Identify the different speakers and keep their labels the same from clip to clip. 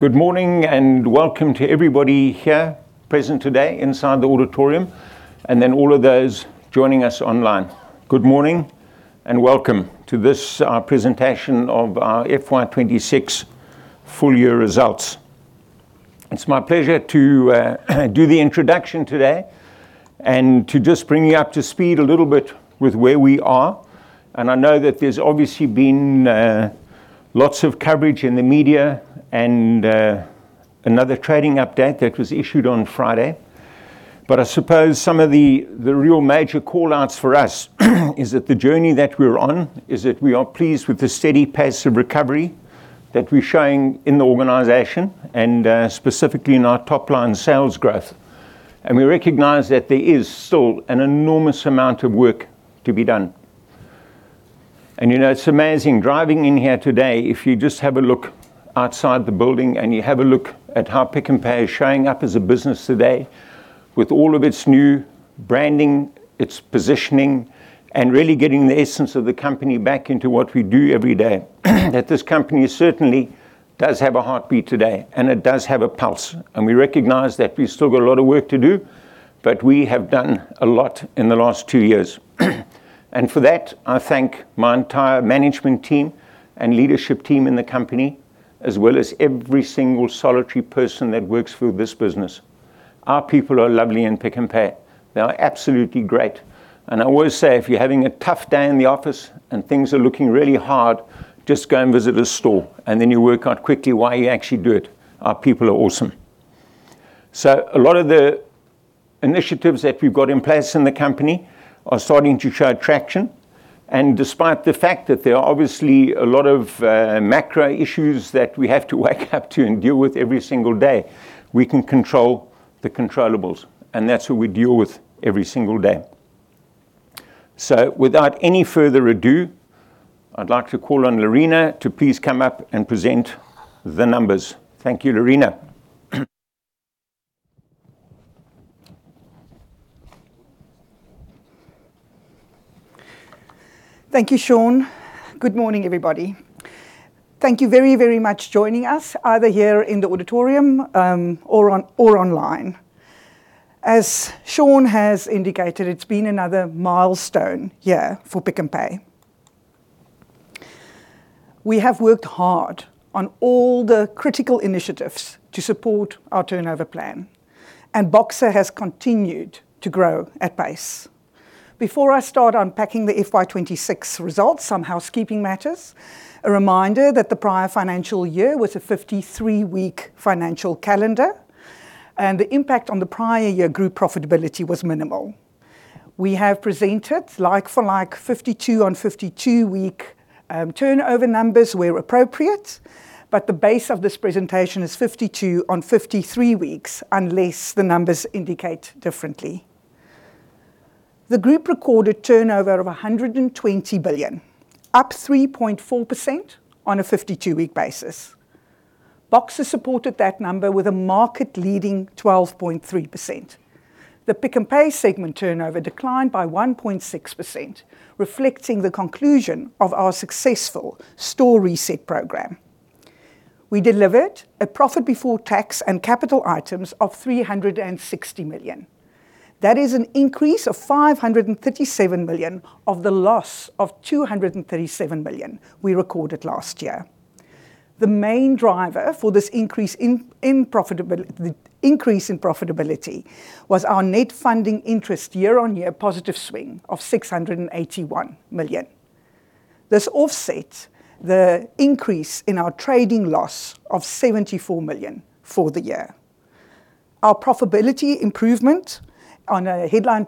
Speaker 1: Good morning, welcome to everybody here present today inside the auditorium, and then all of those joining us online. Good morning, welcome to this presentation of our FY 2026 full-year results. It's my pleasure to do the introduction today and to just bring you up to speed a little bit with where we are. I know that there's obviously been lots of coverage in the media and another trading update that was issued on Friday. I suppose some of the real major call-outs for us is that the journey that we're on is that we are pleased with the steady pace of recovery that we're showing in the organization and specifically in our top-line sales growth. We recognize that there is still an enormous amount of work to be done. It's amazing. Driving in here today, if you just have a look outside the building and you have a look at how Pick n Pay is showing up as a business today, with all of its new branding, its positioning, and really getting the essence of the company back into what we do every day, that this company certainly does have a heartbeat today, and it does have a pulse. We recognize that we've still got a lot of work to do, but we have done a lot in the last two years. For that, I thank my entire management team and leadership team in the company, as well as every single solitary person that works for this business. Our people are lovely in Pick n Pay. They are absolutely great. I always say, if you're having a tough day in the office and things are looking really hard, just go and visit a store, and then you work out quickly why you actually do it. Our people are awesome. A lot of the initiatives that we've got in place in the company are starting to show traction. Despite the fact that there are obviously a lot of macro issues that we have to wake up to and deal with every single day, we can control the controllables, and that's what we deal with every single day. Without any further ado, I'd like to call on Lerena Olivier to please come up and present the numbers. Thank you, Lerena Olivier.
Speaker 2: Thank you, Sean. Good morning, everybody. Thank you very, very much for joining us, either here in the auditorium or online. As Sean has indicated, it's been another milestone year for Pick n Pay. We have worked hard on all the critical initiatives to support our turnover plan, and Boxer has continued to grow at pace. Before I start unpacking the FY 2026 results, some housekeeping matters. A reminder that the prior financial year was a 53-week financial calendar, and the impact on the prior year group profitability was minimal. We have presented like-for-like 52 on 52-week turnover numbers where appropriate, but the base of this presentation is 52 on 53 weeks, unless the numbers indicate differently. The group recorded turnover of 120 billion, up 3.4% on a 52-week basis. Boxer supported that number with a market-leading 12.3%. The Pick n Pay segment turnover declined by 1.6%, reflecting the conclusion of our successful store reset program. We delivered a profit before tax and capital items of 360 million. That is an increase of 537 million of the loss of 237 million we recorded last year. The main driver for this increase in profitability was our net funding interest year-on-year positive swing of 681 million. This offsets the increase in our trading loss of 74 million for the year. Our profitability improvement on a headline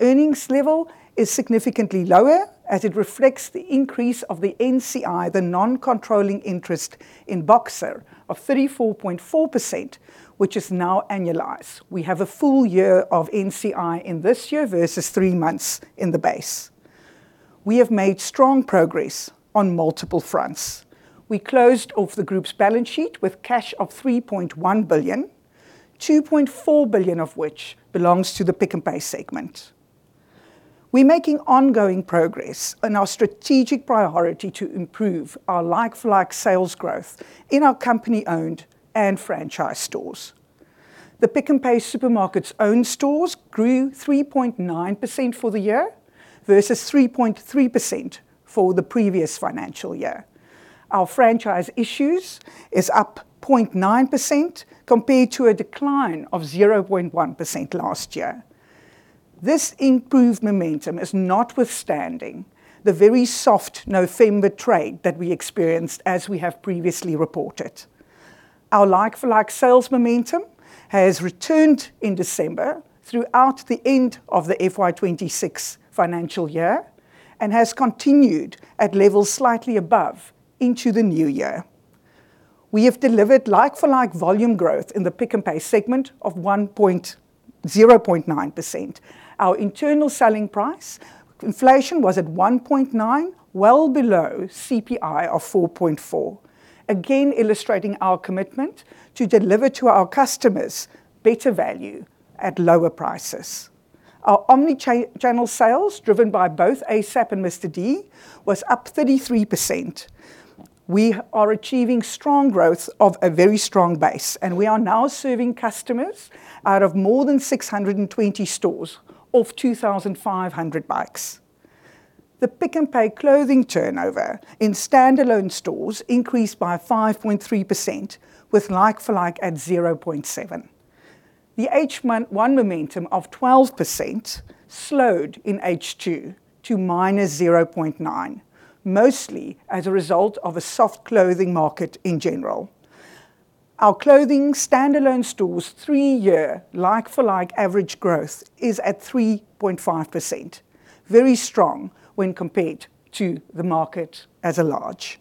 Speaker 2: earnings level is significantly lower, as it reflects the increase of the NCI, the non-controlling interest, in Boxer of 34.4%, which is now annualized. We have a full year of NCI in this year versus three months in the base. We have made strong progress on multiple fronts. We closed off the group's balance sheet with cash of 3.1 billion, 2.4 billion of which belongs to the Pick n Pay segment. We're making ongoing progress on our strategic priority to improve our like-for-like sales growth in our company-owned and franchise stores. The Pick n Pay supermarket's own stores grew 3.9% for the year, versus 3.3% for the previous financial year. Our franchise stores is up 0.9%, compared to a decline of 0.1% last year. This improved momentum is notwithstanding the very soft November trade that we experienced, as we have previously reported. Our like-for-like sales momentum has returned in December throughout the end of the FY 2026 financial year and has continued at levels slightly above into the new year. We have delivered like-for-like volume growth in the Pick n Pay segment of 0.9%. Our internal selling price inflation was at 1.9, well below CPI of 4.4, again illustrating our commitment to deliver to our customers better value at lower prices. Our omni-channel sales, driven by both asap! and Mr D, was up 33%. We are achieving strong growth of a very strong base, and we are now serving customers out of more than 620 stores of 2,500 bikes. The Pick n Pay Clothing turnover in standalone stores increased by 5.3%, with like-for-like at 0.7%. The H1 momentum of 12% slowed in H2 to -0.9%, mostly as a result of a soft clothing market in general. Our clothing standalone stores' three-year, like-for-like average growth is at 3.5%, very strong when compared to the market at large.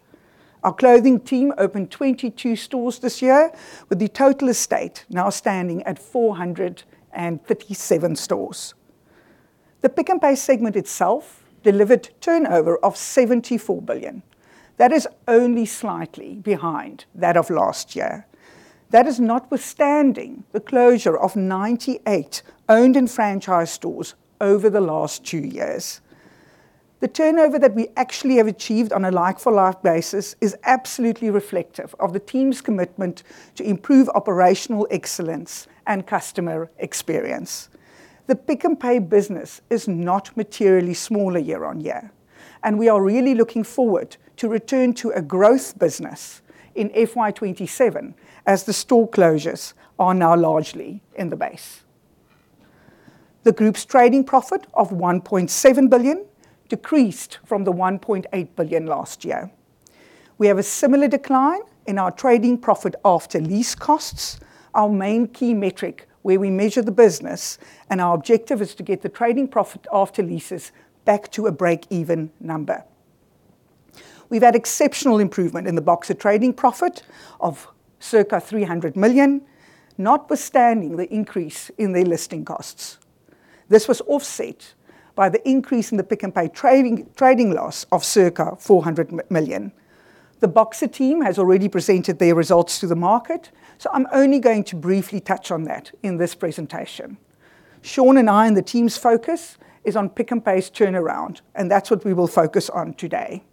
Speaker 2: Our clothing team opened 22 stores this year, with the total estate now standing at 457 stores. The Pick n Pay segment itself delivered turnover of 74 billion. That is only slightly behind that of last year. That is notwithstanding the closure of 98 owned and franchised stores over the last two years. The turnover that we actually have achieved on a like-for-like basis is absolutely reflective of the team's commitment to improve operational excellence and customer experience. The Pick n Pay business is not materially smaller year-on-year, and we are really looking forward to return to a growth business in FY 2027, as the store closures are now largely in the base. The group's trading profit of 1.7 billion decreased from the 1.8 billion last year. We have a similar decline in our trading profit after lease costs, our main key metric where we measure the business, and our objective is to get the trading profit after leases back to a break-even number. We've had exceptional improvement in the Boxer trading profit of circa 300 million, notwithstanding the increase in their listing costs. This was offset by the increase in the Pick n Pay trading loss of circa 400 million. The Boxer team has already presented their results to the market. I'm only going to briefly touch on that in this presentation. Sean and I and the team's focus is on Pick n Pay's turnaround. That's what we will focus on today.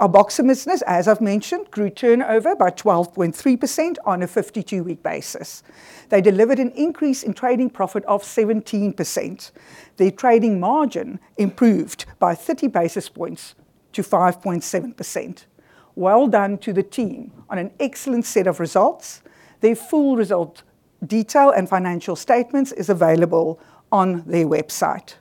Speaker 2: Our Boxer business, as I've mentioned, grew turnover by 12.3% on a 52-week basis. They delivered an increase in trading profit of 17%. Their trading margin improved by 30 basis points to 5.7%. Well done to the team on an excellent set of results. Their full result detail and financial statements is available on their website.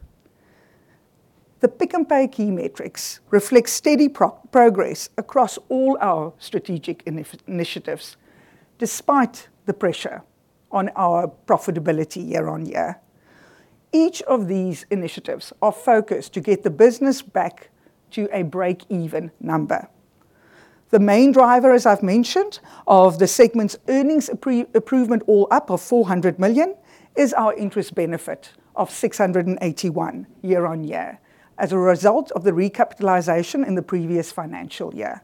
Speaker 2: The Pick n Pay key metrics reflect steady progress across all our strategic initiatives, despite the pressure on our profitability year-on-year. Each of these initiatives are focused to get the business back to a break-even number. The main driver, as I've mentioned, of the segment's earnings improvement or up of 400 million, is our interest benefit of 681 year-on-year as a result of the recapitalization in the previous financial year.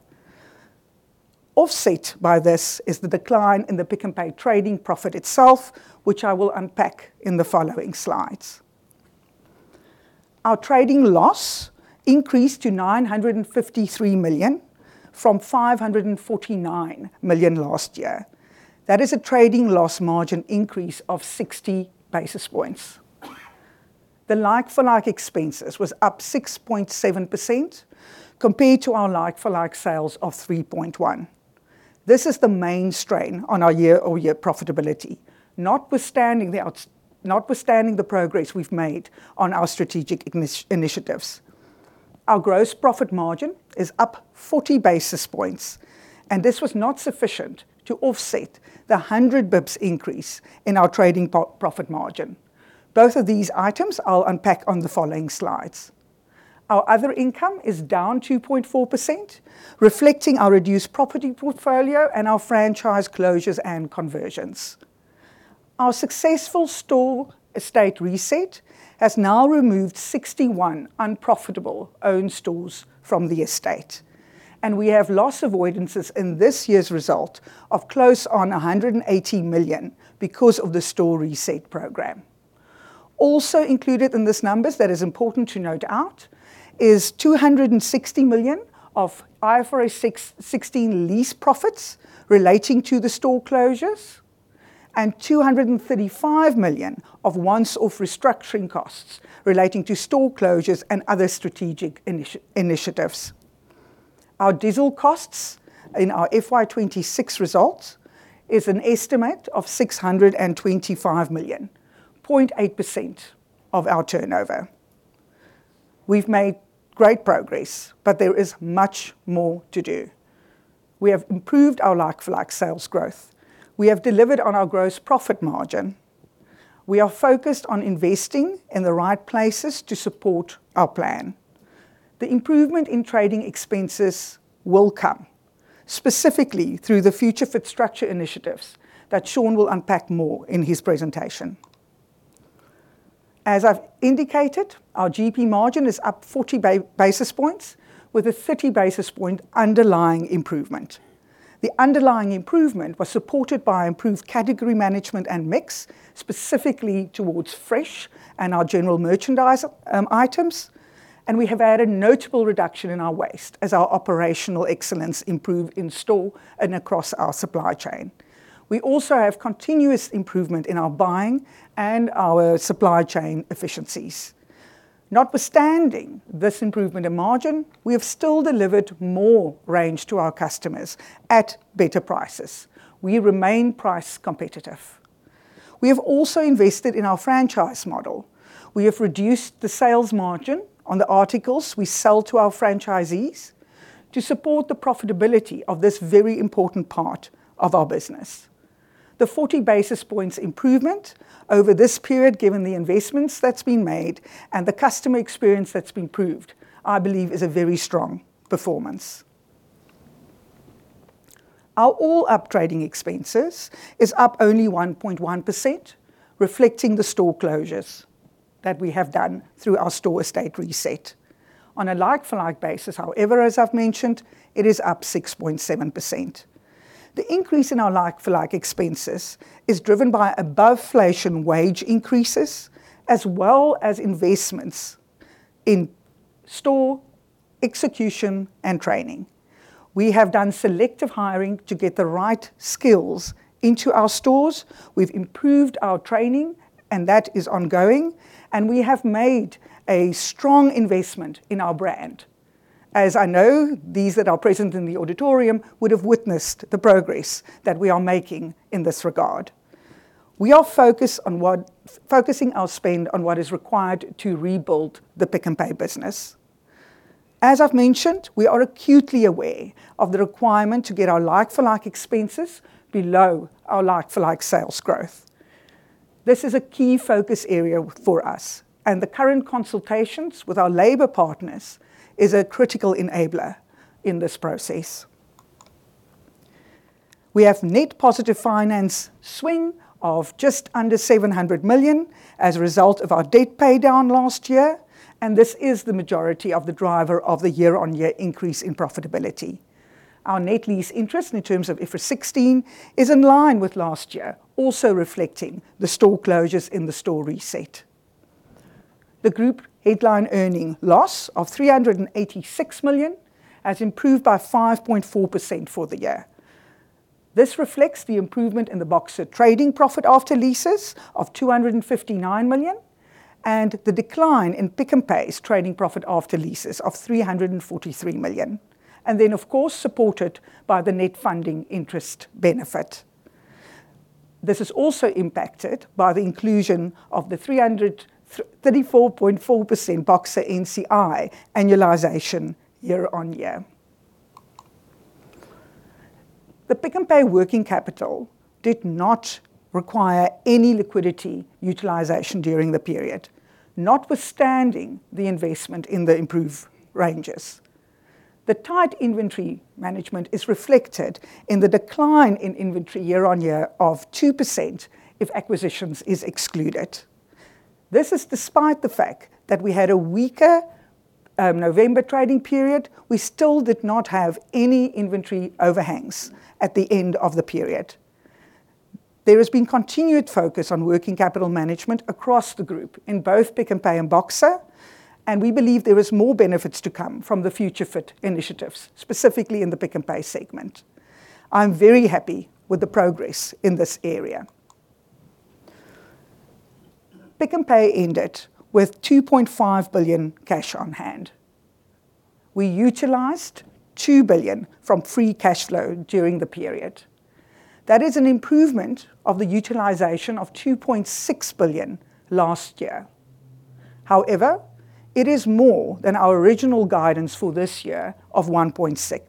Speaker 2: Offset by this is the decline in the Pick n Pay trading profit itself, which I will unpack in the following slides. Our trading loss increased to 953 million from 549 million last year. That is a trading loss margin increase of 60 basis points. The like-for-like expenses was up 6.7% compared to our like-for-like sales of 3.1%. This is the main strain on our year-over-year profitability, notwithstanding the progress we've made on our strategic initiatives. Our gross profit margin is up 40 basis points. This was not sufficient to offset the 100 basis points increase in our trading profit margin. Both of these items I'll unpack on the following slides. Our other income is down 2.4%, reflecting our reduced property portfolio and our franchise closures and conversions. Our successful store estate reset has now removed 61 unprofitable owned stores from the estate. We have loss avoidances in this year's result of close on 118 million because of the store reset program. Also included in this number, that is important to note out, is 260 million of IFRS 16 lease profits relating to the store closures and 235 million of once-off restructuring costs relating to store closures and other strategic initiatives. Our diesel costs in our FY 2026 results is an estimate of 625 million, 0.8% of our turnover. We've made great progress, but there is much more to do. We have improved our like-for-like sales growth. We have delivered on our gross profit margin. We are focused on investing in the right places to support our plan. The improvement in trading expenses will come, specifically through the Future Fit structure initiatives that Sean will unpack more in his presentation. As I've indicated, our GP margin is up 40 basis points with a 50 basis point underlying improvement. The underlying improvement was supported by improved category management and mix, specifically towards fresh and our general merchandise items. We have had a notable reduction in our waste as our operational excellence improved in store and across our supply chain. We also have continuous improvement in our buying and our supply chain efficiencies. Notwithstanding this improvement in margin, we have still delivered more range to our customers at better prices. We remain price competitive. We have also invested in our franchise model. We have reduced the sales margin on the articles we sell to our franchisees to support the profitability of this very important part of our business. The 40 basis points improvement over this period, given the investments that's been made and the customer experience that's improved, I believe is a very strong performance. Our all up trading expenses is up only 1.1%, reflecting the store closures that we have done through our store estate reset. On a like-for-like basis, however, as I've mentioned, it is up 6.7%. The increase in our like-for-like expenses is driven by above-inflation wage increases, as well as investments in store execution and training. We have done selective hiring to get the right skills into our stores. We've improved our training and that is ongoing, and we have made a strong investment in our brand. As I know, these that are present in the auditorium would have witnessed the progress that we are making in this regard. We are focusing our spend on what is required to rebuild the Pick n Pay business. As I've mentioned, we are acutely aware of the requirement to get our like-for-like expenses below our like-for-like sales growth. This is a key focus area for us, and the current consultations with our labor partners is a critical enabler in this process. We have net positive finance swing of just under 700 million as a result of our debt paydown last year, and this is the majority of the driver of the year-on-year increase in profitability. Our net lease interest in terms of IFRS 16 is in line with last year, also reflecting the store closures in the store reset. The group headline earning loss of 386 million has improved by 5.4% for the year. This reflects the improvement in the Boxer trading profit after leases of 259 million and the decline in Pick n Pay's trading profit after leases of 343 million, of course, supported by the net funding interest benefit. This is also impacted by the inclusion of the 334.4% Boxer NCI annualization year-on-year. The Pick n Pay working capital did not require any liquidity utilization during the period, notwithstanding the investment in the improved ranges. The tight inventory management is reflected in the decline in inventory year-on-year of 2% if acquisitions is excluded. This is despite the fact that we had a weaker November trading period, we still did not have any inventory overhangs at the end of the period. There has been continued focus on working capital management across the group in both Pick n Pay and Boxer, we believe there is more benefits to come from the Future Fit initiatives, specifically in the Pick n Pay segment. I'm very happy with the progress in this area. Pick n Pay ended with 2.5 billion cash on hand. We utilized 2 billion from free cash flow during the period. That is an improvement of the utilization of 2.6 billion last year. It is more than our original guidance for this year of 1.6 billion.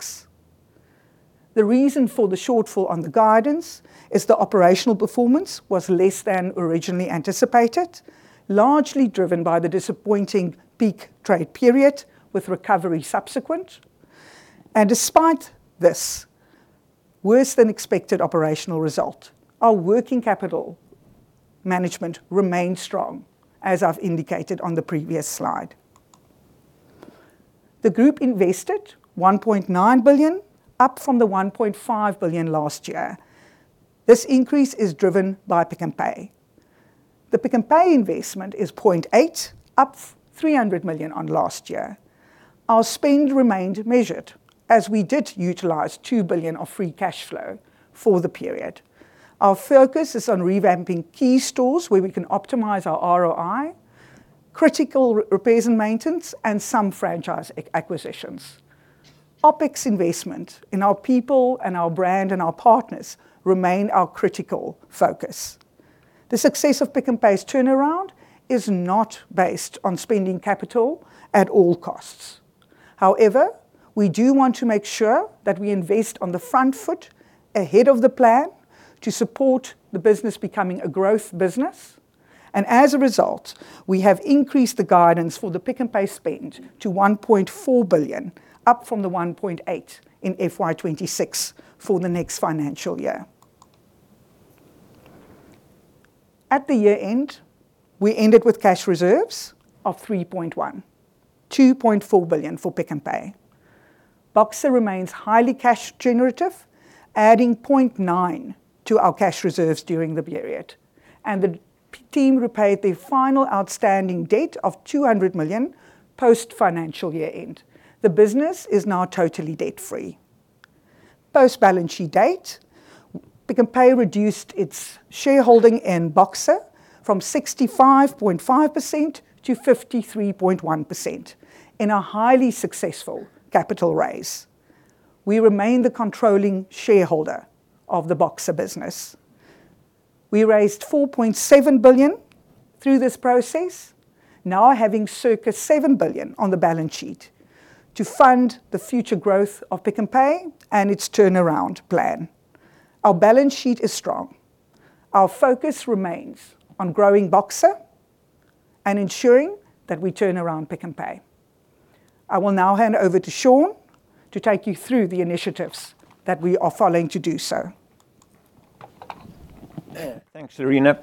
Speaker 2: The reason for the shortfall on the guidance is the operational performance was less than originally anticipated, largely driven by the disappointing peak trade period with recovery subsequent. Despite this worse than expected operational result, our working capital management remained strong, as I've indicated on the previous slide. The group invested 1.9 billion, up from the 1.5 billion last year. This increase is driven by Pick n Pay. The Pick n Pay investment is 0.8, up 300 million on last year. Our spend remained measured as we did utilize 2 billion of free cash flow for the period. Our focus is on revamping key stores where we can optimize our ROI, critical repairs and maintenance, and some franchise acquisitions. OpEx investment in our people and our brand and our partners remain our critical focus. The success of Pick n Pay's turnaround is not based on spending capital at all costs. We do want to make sure that we invest on the front foot ahead of the plan to support the business becoming a growth business. As a result, we have increased the guidance for the Pick n Pay spend to 1.4 billion, up from the 1.8 in FY 2026 for the next financial year. At the year-end, we ended with cash reserves of 2.4 billion for Pick n Pay. Boxer remains highly cash generative, adding 0.9 to our cash reserves during the period, and the team repaid their final outstanding debt of 200 million post-financial year end. The business is now totally debt-free. Post-balance sheet date, Pick n Pay reduced its shareholding in Boxer from 65.5% to 53.1% in a highly successful capital raise. We remain the controlling shareholder of the Boxer business. We raised 4.7 billion through this process, now having circa 7 billion on the balance sheet to fund the future growth of Pick n Pay and its turnaround plan. Our balance sheet is strong. Our focus remains on growing Boxer and ensuring that we turn around Pick n Pay. I will now hand over to Sean to take you through the initiatives that we are following to do so.
Speaker 1: Thanks, Lerena.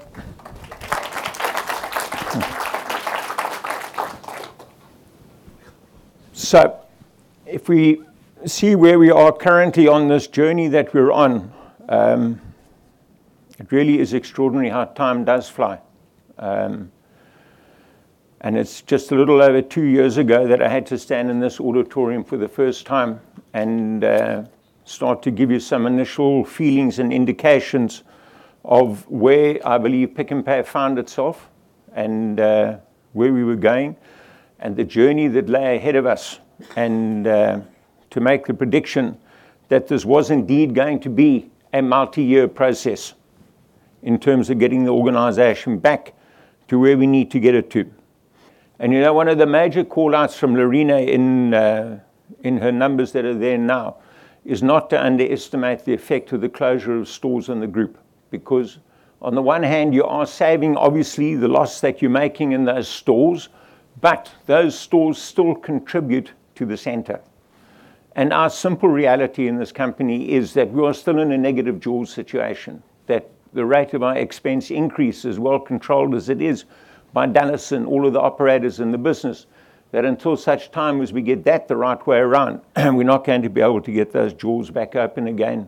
Speaker 1: If we see where we are currently on this journey that we're on, it really is extraordinary how time does fly. It's just a little over two years ago that I had to stand in this auditorium for the first time and start to give you some initial feelings and indications of where I believe Pick n Pay found itself, and where we were going, and the journey that lay ahead of us, and to make the prediction that this was indeed going to be a multi-year process in terms of getting the organization back to where we need to get it to. One of the major call-outs from Lerena in her numbers that are there now is not to underestimate the effect of the closure of stores in the group, because on the one hand, you are saving, obviously, the loss that you're making in those stores, but those stores still contribute to the center. Our simple reality in this company is that we are still in a negative jaws situation, that the rate of our expense increase, as well controlled as it is by Dallas and all of the operators in the business, that until such time as we get that the right way around, we're not going to be able to get those jaws back open again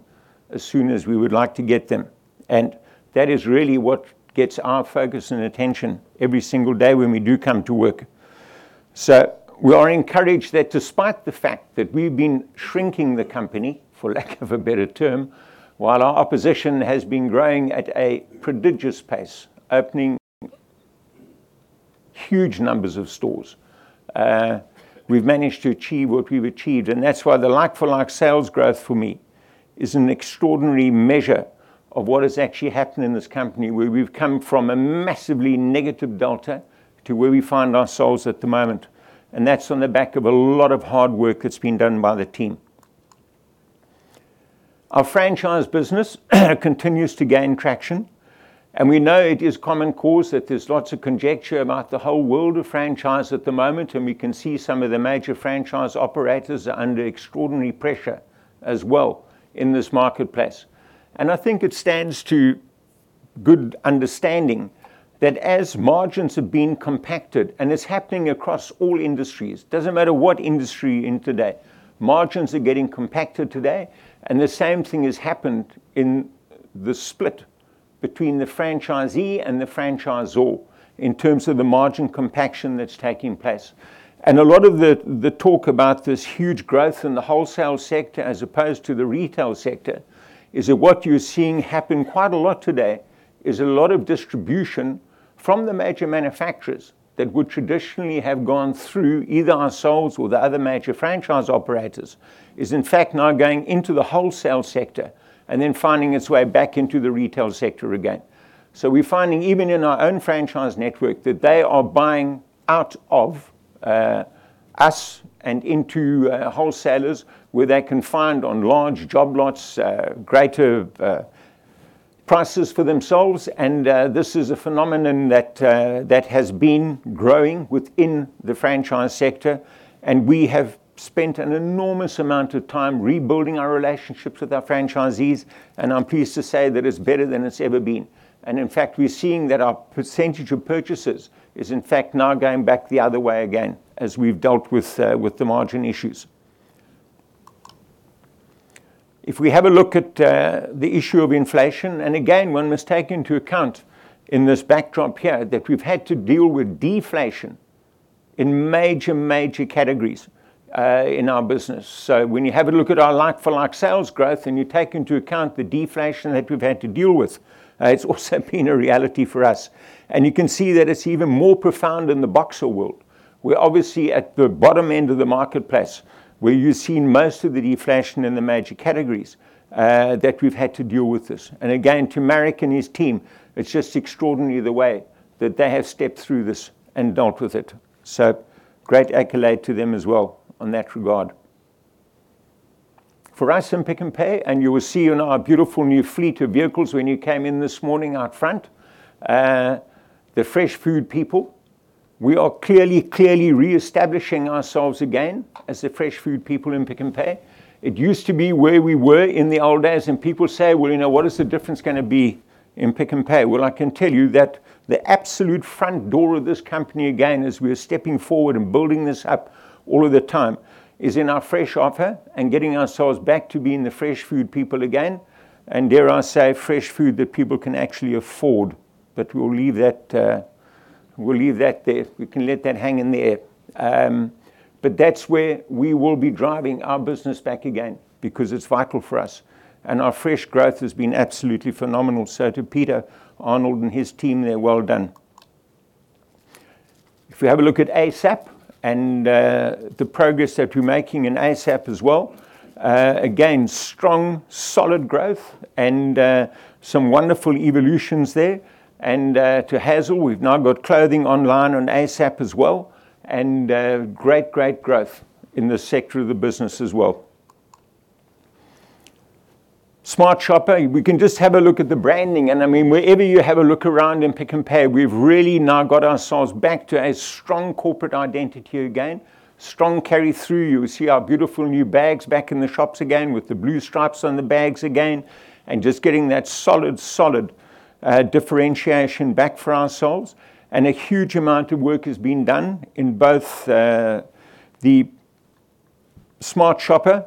Speaker 1: as soon as we would like to get them. That is really what gets our focus and attention every single day when we do come to work. We are encouraged that despite the fact that we've been shrinking the company, for lack of a better term, while our opposition has been growing at a prodigious pace, opening huge numbers of stores, we've managed to achieve what we've achieved. That's why the like-for-like sales growth for me is an extraordinary measure of what has actually happened in this company, where we've come from a massively negative delta to where we find ourselves at the moment. That's on the back of a lot of hard work that's been done by the team. Our franchise business continues to gain traction, and we know it is common cause that there's lots of conjecture about the whole world of franchise at the moment, and we can see some of the major franchise operators are under extraordinary pressure as well in this marketplace. I think it stands to good understanding that as margins are being compacted, and it's happening across all industries, doesn't matter what industry you're in today, margins are getting compacted today, and the same thing has happened in the split between the franchisee and the franchisor in terms of the margin compaction that's taking place. A lot of the talk about this huge growth in the wholesale sector as opposed to the retail sector is that what you're seeing happen quite a lot today is a lot of distribution from the major manufacturers that would traditionally have gone through either ourselves or the other major franchise operators, is in fact now going into the wholesale sector and then finding its way back into the retail sector again. We're finding even in our own franchise network that they are buying out of us and into wholesalers, where they can find on large job lots greater prices for themselves. This is a phenomenon that has been growing within the franchise sector, and we have spent an enormous amount of time rebuilding our relationships with our franchisees, and I'm pleased to say that it's better than it's ever been. In fact, we're seeing that our percentage of purchases is in fact now going back the other way again as we've dealt with the margin issues. If we have a look at the issue of inflation, and again, one must take into account in this backdrop here that we've had to deal with deflation in major categories in our business. When you have a look at our like-for-like sales growth, and you take into account the deflation that we've had to deal with, it's also been a reality for us. You can see that it's even more profound in the Boxer world. We're obviously at the bottom end of the marketplace, where you've seen most of the deflation in the major categories that we've had to deal with this. Again, to Marek and his team, it's just extraordinary the way that they have stepped through this and dealt with it. Great accolade to them as well on that regard. For us in Pick n Pay, you will see in our beautiful new fleet of vehicles when you came in this morning out front, the fresh food people. We are clearly reestablishing ourselves again as the fresh food people in Pick n Pay. It used to be where we were in the old days, and people say, "What is the difference going to be in Pick n Pay?" I can tell you that the absolute front door of this company, again, as we are stepping forward and building this up all of the time, is in our fresh offer and getting ourselves back to being the fresh food people again, and dare I say, fresh food that people can actually afford. We'll leave that there. We can let that hang in the air. That's where we will be driving our business back again because it's vital for us, and our fresh growth has been absolutely phenomenal. To Peter Arnold and his team there, well done. If you have a look at asap! and the progress that we're making in asap! as well, again, strong, solid growth and some wonderful evolutions there. To Hazel, we've now got clothing online on asap! as well, and great growth in the sector of the business as well. Smart Shopper, we can just have a look at the branding. Wherever you have a look around in Pick n Pay, we've really now got ourselves back to a strong corporate identity again, strong carry through. You will see our beautiful new bags back in the shops again with the blue stripes on the bags again and just getting that solid differentiation back for ourselves. A huge amount of work has been done in both the Smart Shopper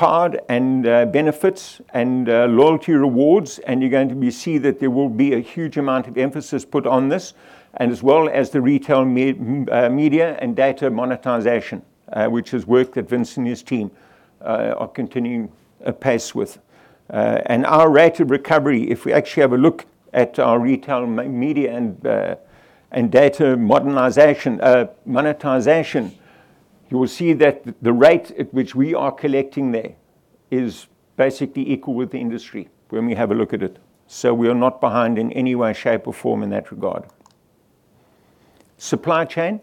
Speaker 1: card and benefits and loyalty rewards, and you're going to see that there will be a huge amount of emphasis put on this, as well as the retail media and data monetization, which is work that Vince and his team are continuing apace with. Our rate of recovery, if we actually have a look at our retail media and data monetization, you will see that the rate at which we are collecting there is basically equal with the industry when we have a look at it. We are not behind in any way, shape, or form in that regard. Supply chain.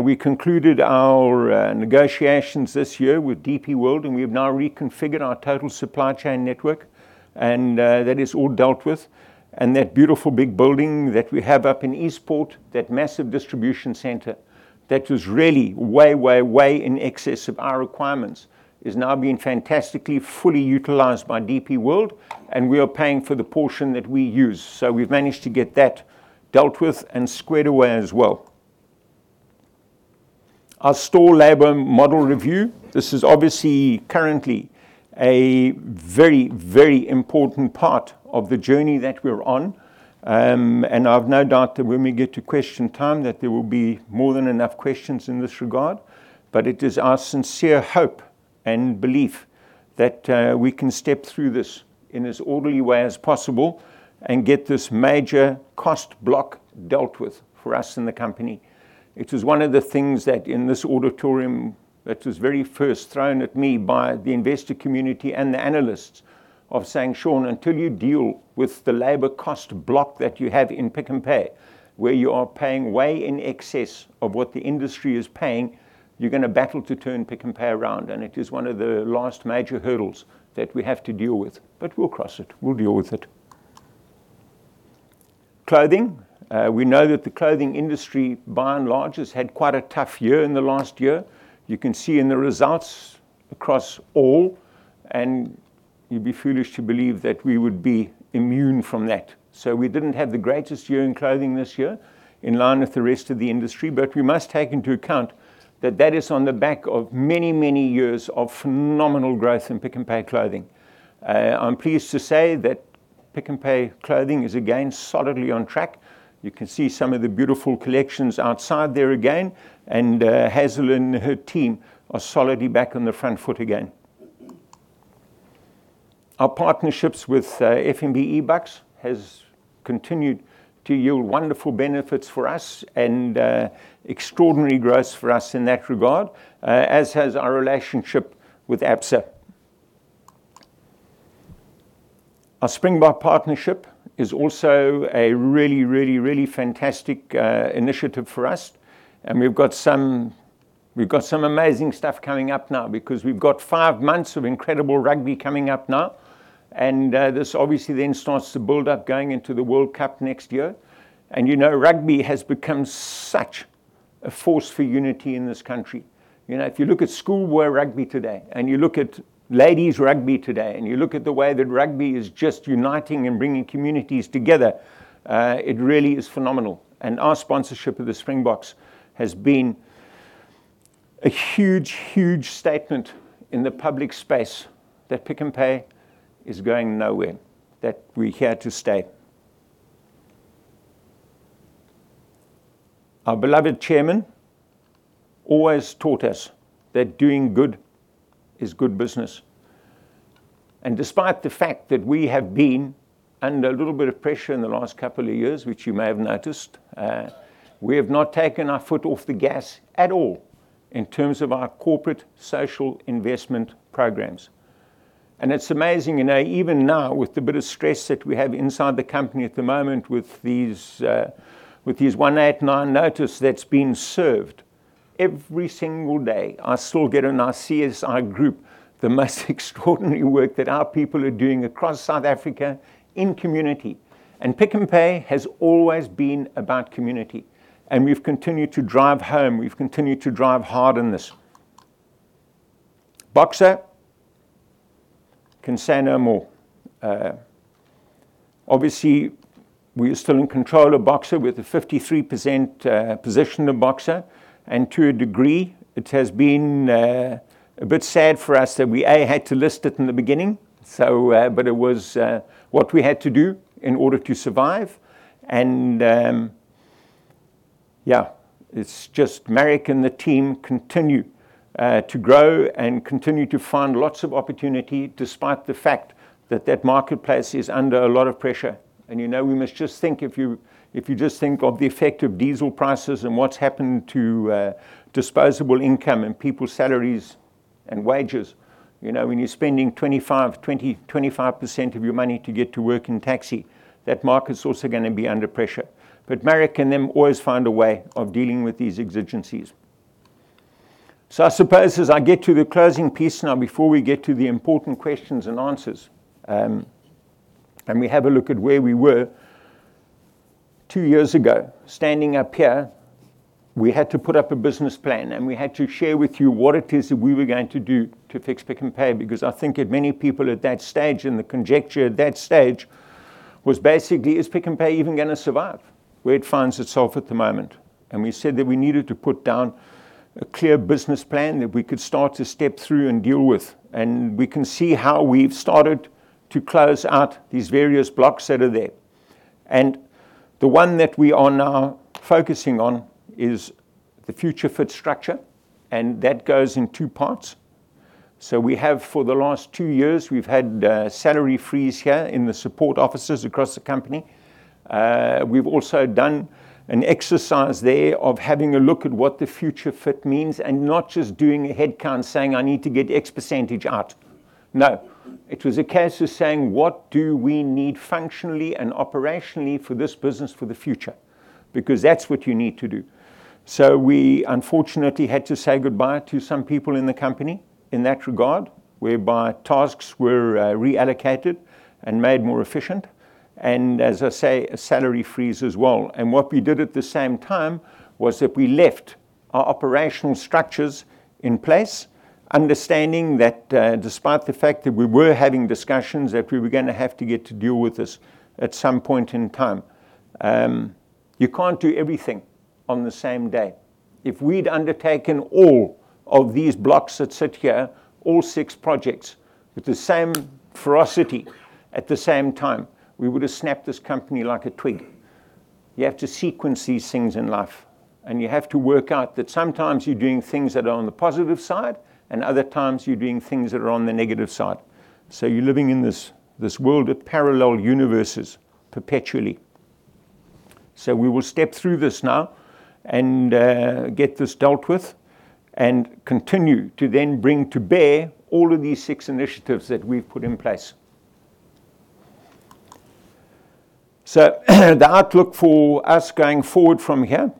Speaker 1: We concluded our negotiations this year with DP World, and we've now reconfigured our total supply chain network, and that is all dealt with. That beautiful big building that we have up in Eastport, that massive distribution center that was really way in excess of our requirements, is now being fantastically fully utilized by DP World, and we are paying for the portion that we use. We've managed to get that dealt with and squared away as well. Our store labor model review. This is obviously currently a very, very important part of the journey that we're on. I've no doubt that when we get to question time, that there will be more than enough questions in this regard. It is our sincere hope and belief that we can step through this in as orderly a way as possible and get this major cost block dealt with for us in the company. It is one of the things that in this auditorium that was very first thrown at me by the investor community and the analysts of saying, "Sean, until you deal with the labor cost block that you have in Pick n Pay, where you are paying way in excess of what the industry is paying, you're going to battle to turn Pick n Pay around." It is one of the last major hurdles that we have to deal with, but we'll cross it. We'll deal with it. Clothing. We know that the clothing industry, by and large, has had quite a tough year in the last year. You can see in the results across all, and you'd be foolish to believe that we would be immune from that. We didn't have the greatest year in clothing this year, in line with the rest of the industry. We must take into account that that is on the back of many, many years of phenomenal growth in Pick n Pay Clothing. I'm pleased to say that Pick n Pay Clothing is again solidly on track. You can see some of the beautiful collections outside there again, and Hazel and her team are solidly back on the front foot again. Our partnerships with FNB eBucks has continued to yield wonderful benefits for us and extraordinary growth for us in that regard, as has our relationship with Absa. Our Springbok partnership is also a really, really fantastic initiative for us, and we've got some amazing stuff coming up now because we've got five months of incredible rugby coming up now. This obviously then starts to build up going into the World Cup next year. Rugby has become such a force for unity in this country. If you look at schoolboy rugby today and you look at ladies rugby today, and you look at the way that rugby is just uniting and bringing communities together, it really is phenomenal. Our sponsorship of the Springboks has been a huge statement in the public space that Pick n Pay is going nowhere, that we're here to stay. Our beloved chairman always taught us that doing good is good business. Despite the fact that we have been under a little bit of pressure in the last couple of years, which you may have noticed, we have not taken our foot off the gas at all in terms of our corporate social investment programs. It's amazing, even now, with the bit of stress that we have inside the company at the moment with this 189 notice that's been served. Every single day, I still get in our CSI group, the most extraordinary work that our people are doing across South Africa in community. Pick n Pay has always been about community. We've continued to drive home, we've continued to drive hard on this. Boxer, can say no more. Obviously, we are still in control of Boxer with a 53% position in Boxer, and to a degree, it has been a bit sad for us that we, A, had to list it in the beginning. It was what we had to do in order to survive, and yeah, it's just Marek and the team continue to grow and continue to find lots of opportunity, despite the fact that that marketplace is under a lot of pressure. We must just think, if you just think of the effect of diesel prices and what's happened to disposable income and people's salaries and wages, when you're spending 20%, 25% of your money to get to work in taxi, that market's also gonna be under pressure. Marek can then always find a way of dealing with these exigencies. I suppose as I get to the closing piece now, before we get to the important questions and answers, we have a look at where we were two years ago, standing up here, we had to put up a business plan, and we had to share with you what it is that we were going to do to fix Pick n Pay. I think that many people at that stage, the conjecture at that stage, was basically, is Pick n Pay even gonna survive where it finds itself at the moment? We said that we needed to put down a clear business plan that we could start to step through and deal with. We can see how we've started to close out these various blocks that are there. The one that we are now focusing on is the Future Fit structure, and that goes in two parts. We have, for the last two years, we've had salary freeze here in the support offices across the company. We've also done an exercise there of having a look at what the Future Fit means and not just doing a headcount saying, "I need to get X% out." No, it was a case of saying, "What do we need functionally and operationally for this business for the future?" Because that's what you need to do. We unfortunately had to say goodbye to some people in the company in that regard, whereby tasks were reallocated and made more efficient. As I say, a salary freeze as well. What we did at the same time was that we left our operational structures in place, understanding that despite the fact that we were having discussions, that we were gonna have to get to deal with this at some point in time. You can't do everything on the same day. If we'd undertaken all of these blocks that sit here, all six projects, with the same ferocity at the same time, we would've snapped this company like a twig. You have to sequence these things in life, and you have to work out that sometimes you're doing things that are on the positive side, and other times you're doing things that are on the negative side. You're living in this world of parallel universes perpetually. We will step through this now and get this dealt with and continue to then bring to bear all of these six initiatives that we've put in place. The outlook for us going forward from here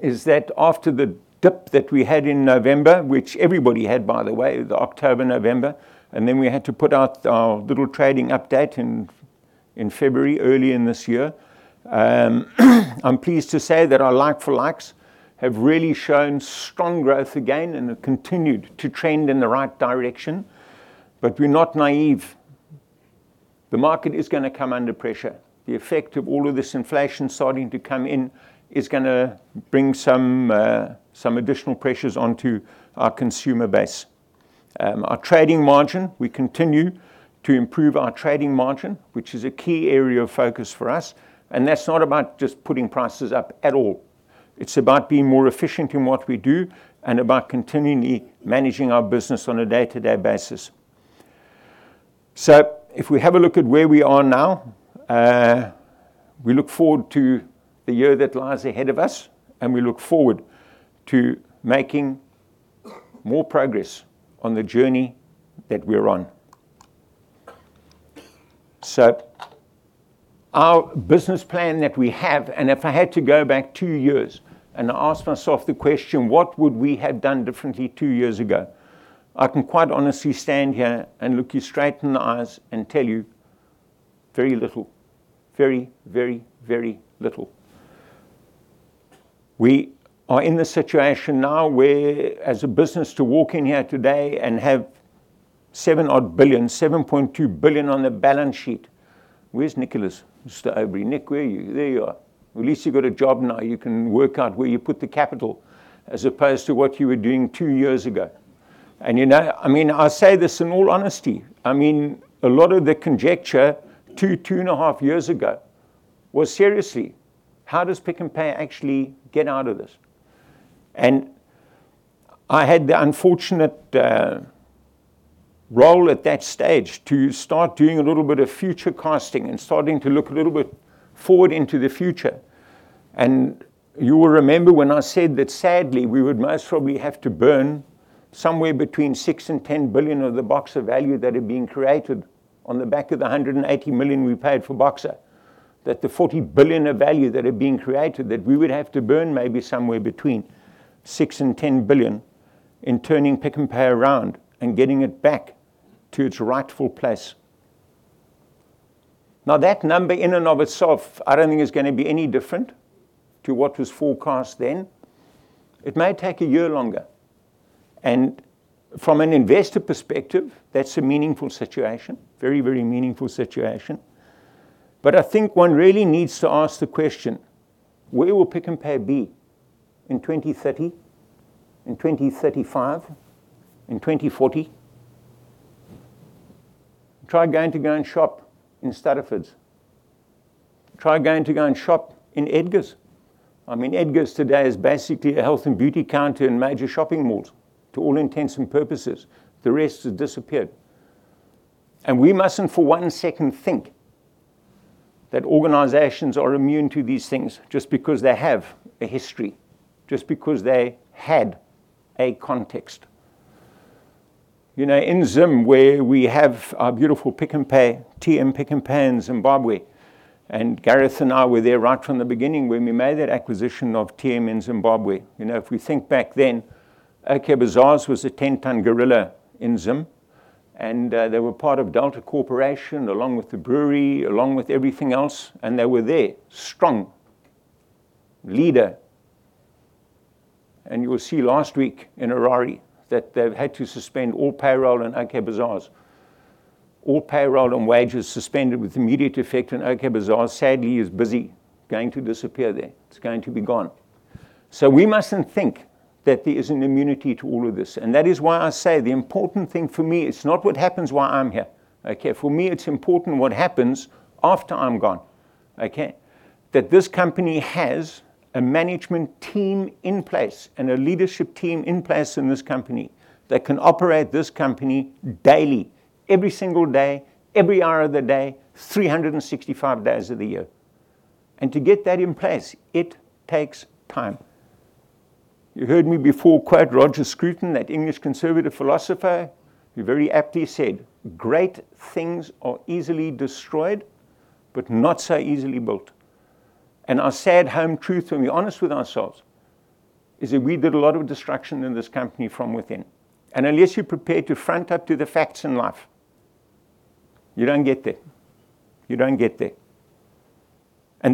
Speaker 1: is that after the dip that we had in November, which everybody had, by the way, October, November, and then we had to put out our little trading update in February, earlier in this year. I'm pleased to say that our like for likes have really shown strong growth again and have continued to trend in the right direction. We're not naive. The market is gonna come under pressure. The effect of all of this inflation starting to come in is gonna bring some additional pressures onto our consumer base. Our trading margin, we continue to improve our trading margin, which is a key area of focus for us, and that's not about just putting prices up at all. It's about being more efficient in what we do and about continually managing our business on a day-to-day basis. If we have a look at where we are now, we look forward to the year that lies ahead of us, and we look forward to making more progress on the journey that we're on. Our business plan that we have, and if I had to go back two years and ask myself the question, what would we have done differently two years ago? I can quite honestly stand here and look you straight in the eyes and tell you very little. Very, very, very little. We are in a situation now where, as a business, to walk in here today and have 7 odd billion, 7.2 billion on the balance sheet. Where's Nicholas? Mr. Aubrey. Nick, where are you? There you are. Well, at least you've got a job now. You can work out where you put the capital as opposed to what you were doing two years ago. I say this in all honesty. A lot of the conjecture two and a half years ago was seriously, how does Pick n Pay actually get out of this? I had the unfortunate role at that stage to start doing a little bit of future casting and starting to look a little bit forward into the future. You will remember when I said that, sadly, we would most probably have to burn somewhere between 6 billion and 10 billion of the Boxer value that had been created on the back of the 180 million we paid for Boxer. That the 40 billion of value that had been created, that we would have to burn maybe somewhere between 6 billion and 10 billion in turning Pick n Pay around and getting it back to its rightful place. That number in and of itself, I don't think is going to be any different to what was forecast then. It may take a year longer, and from an investor perspective, that's a meaningful situation, very, very meaningful situation. I think one really needs to ask the question, where will Pick n Pay be in 2030, in 2035, in 2040? Try going to go and shop in Stuttafords. Try going to go and shop in Edgars. Edgars today is basically a health and beauty counter in major shopping malls. To all intents and purposes, the rest has disappeared. We mustn't for one second think that organizations are immune to these things just because they have a history, just because they had a context. In Zim, where we have our beautiful TM Pick n Pay in Zimbabwe, and Gareth and I were there right from the beginning when we made that acquisition of TM in Zimbabwe. If we think back then, OK Bazaars was a 10-ton gorilla in Zim, and they were part of Delta Corporation, along with the brewery, along with everything else, and they were there, strong, leader. You'll see last week in Harare that they've had to suspend all payroll in OK Bazaars. All payroll and wages suspended with immediate effect in OK Bazaars, sadly, is busy going to disappear there. It's going to be gone. We mustn't think that there is an immunity to all of this. That is why I say the important thing for me, it's not what happens while I'm here. For me, it's important what happens after I'm gone. That this company has a management team in place and a leadership team in place in this company that can operate this company daily, every single day, every hour of the day, 365 days of the year. To get that in place, it takes time. You've heard me before quote Roger Scruton, that English conservative philosopher, who very aptly said, "Great things are easily destroyed, but not so easily built." Our sad home truth, to be honest with ourselves, is that we did a lot of destruction in this company from within. Unless you're prepared to front up to the facts in life, you don't get there.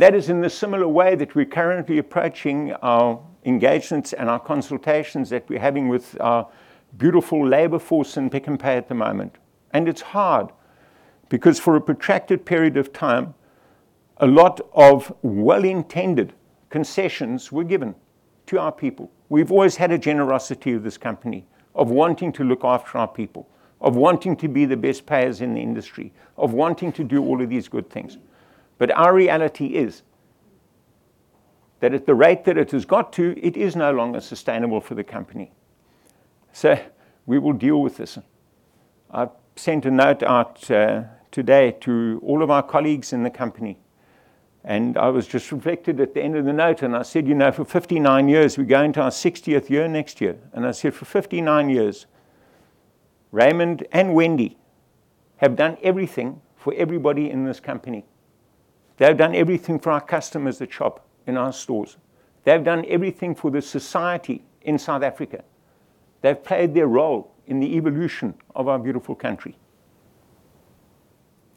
Speaker 1: That is in a similar way that we're currently approaching our engagements and our consultations that we're having with our beautiful labor force in Pick n Pay at the moment. It's hard because for a protracted period of time, a lot of well-intended concessions were given to our people. We've always had a generosity of this company, of wanting to look after our people, of wanting to be the best payers in the industry, of wanting to do all of these good things. Our reality is that at the rate that it has got to, it is no longer sustainable for the company. We will deal with this. I sent a note out today to all of our colleagues in the company, and I was just reflected at the end of the note, and I said, for 59 years, we're going to our 60th year next year. I said, for 59 years, Raymond and Wendy have done everything for everybody in this company. They've done everything for our customers that shop in our stores. They've done everything for the society in South Africa. They've played their role in the evolution of our beautiful country.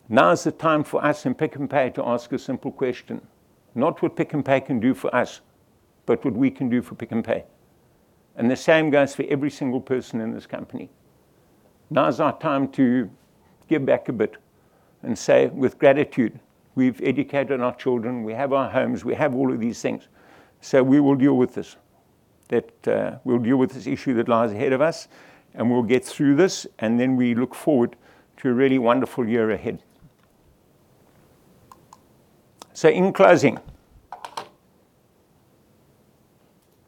Speaker 1: Now is the time for us in Pick n Pay to ask a simple question, not what Pick n Pay can do for us, but what we can do for Pick n Pay. The same goes for every single person in this company. Now is our time to give back a bit and say with gratitude, we've educated our children, we have our homes, we have all of these things, so we will deal with this. We'll deal with this issue that lies ahead of us, and we'll get through this, and then we look forward to a really wonderful year ahead. In closing,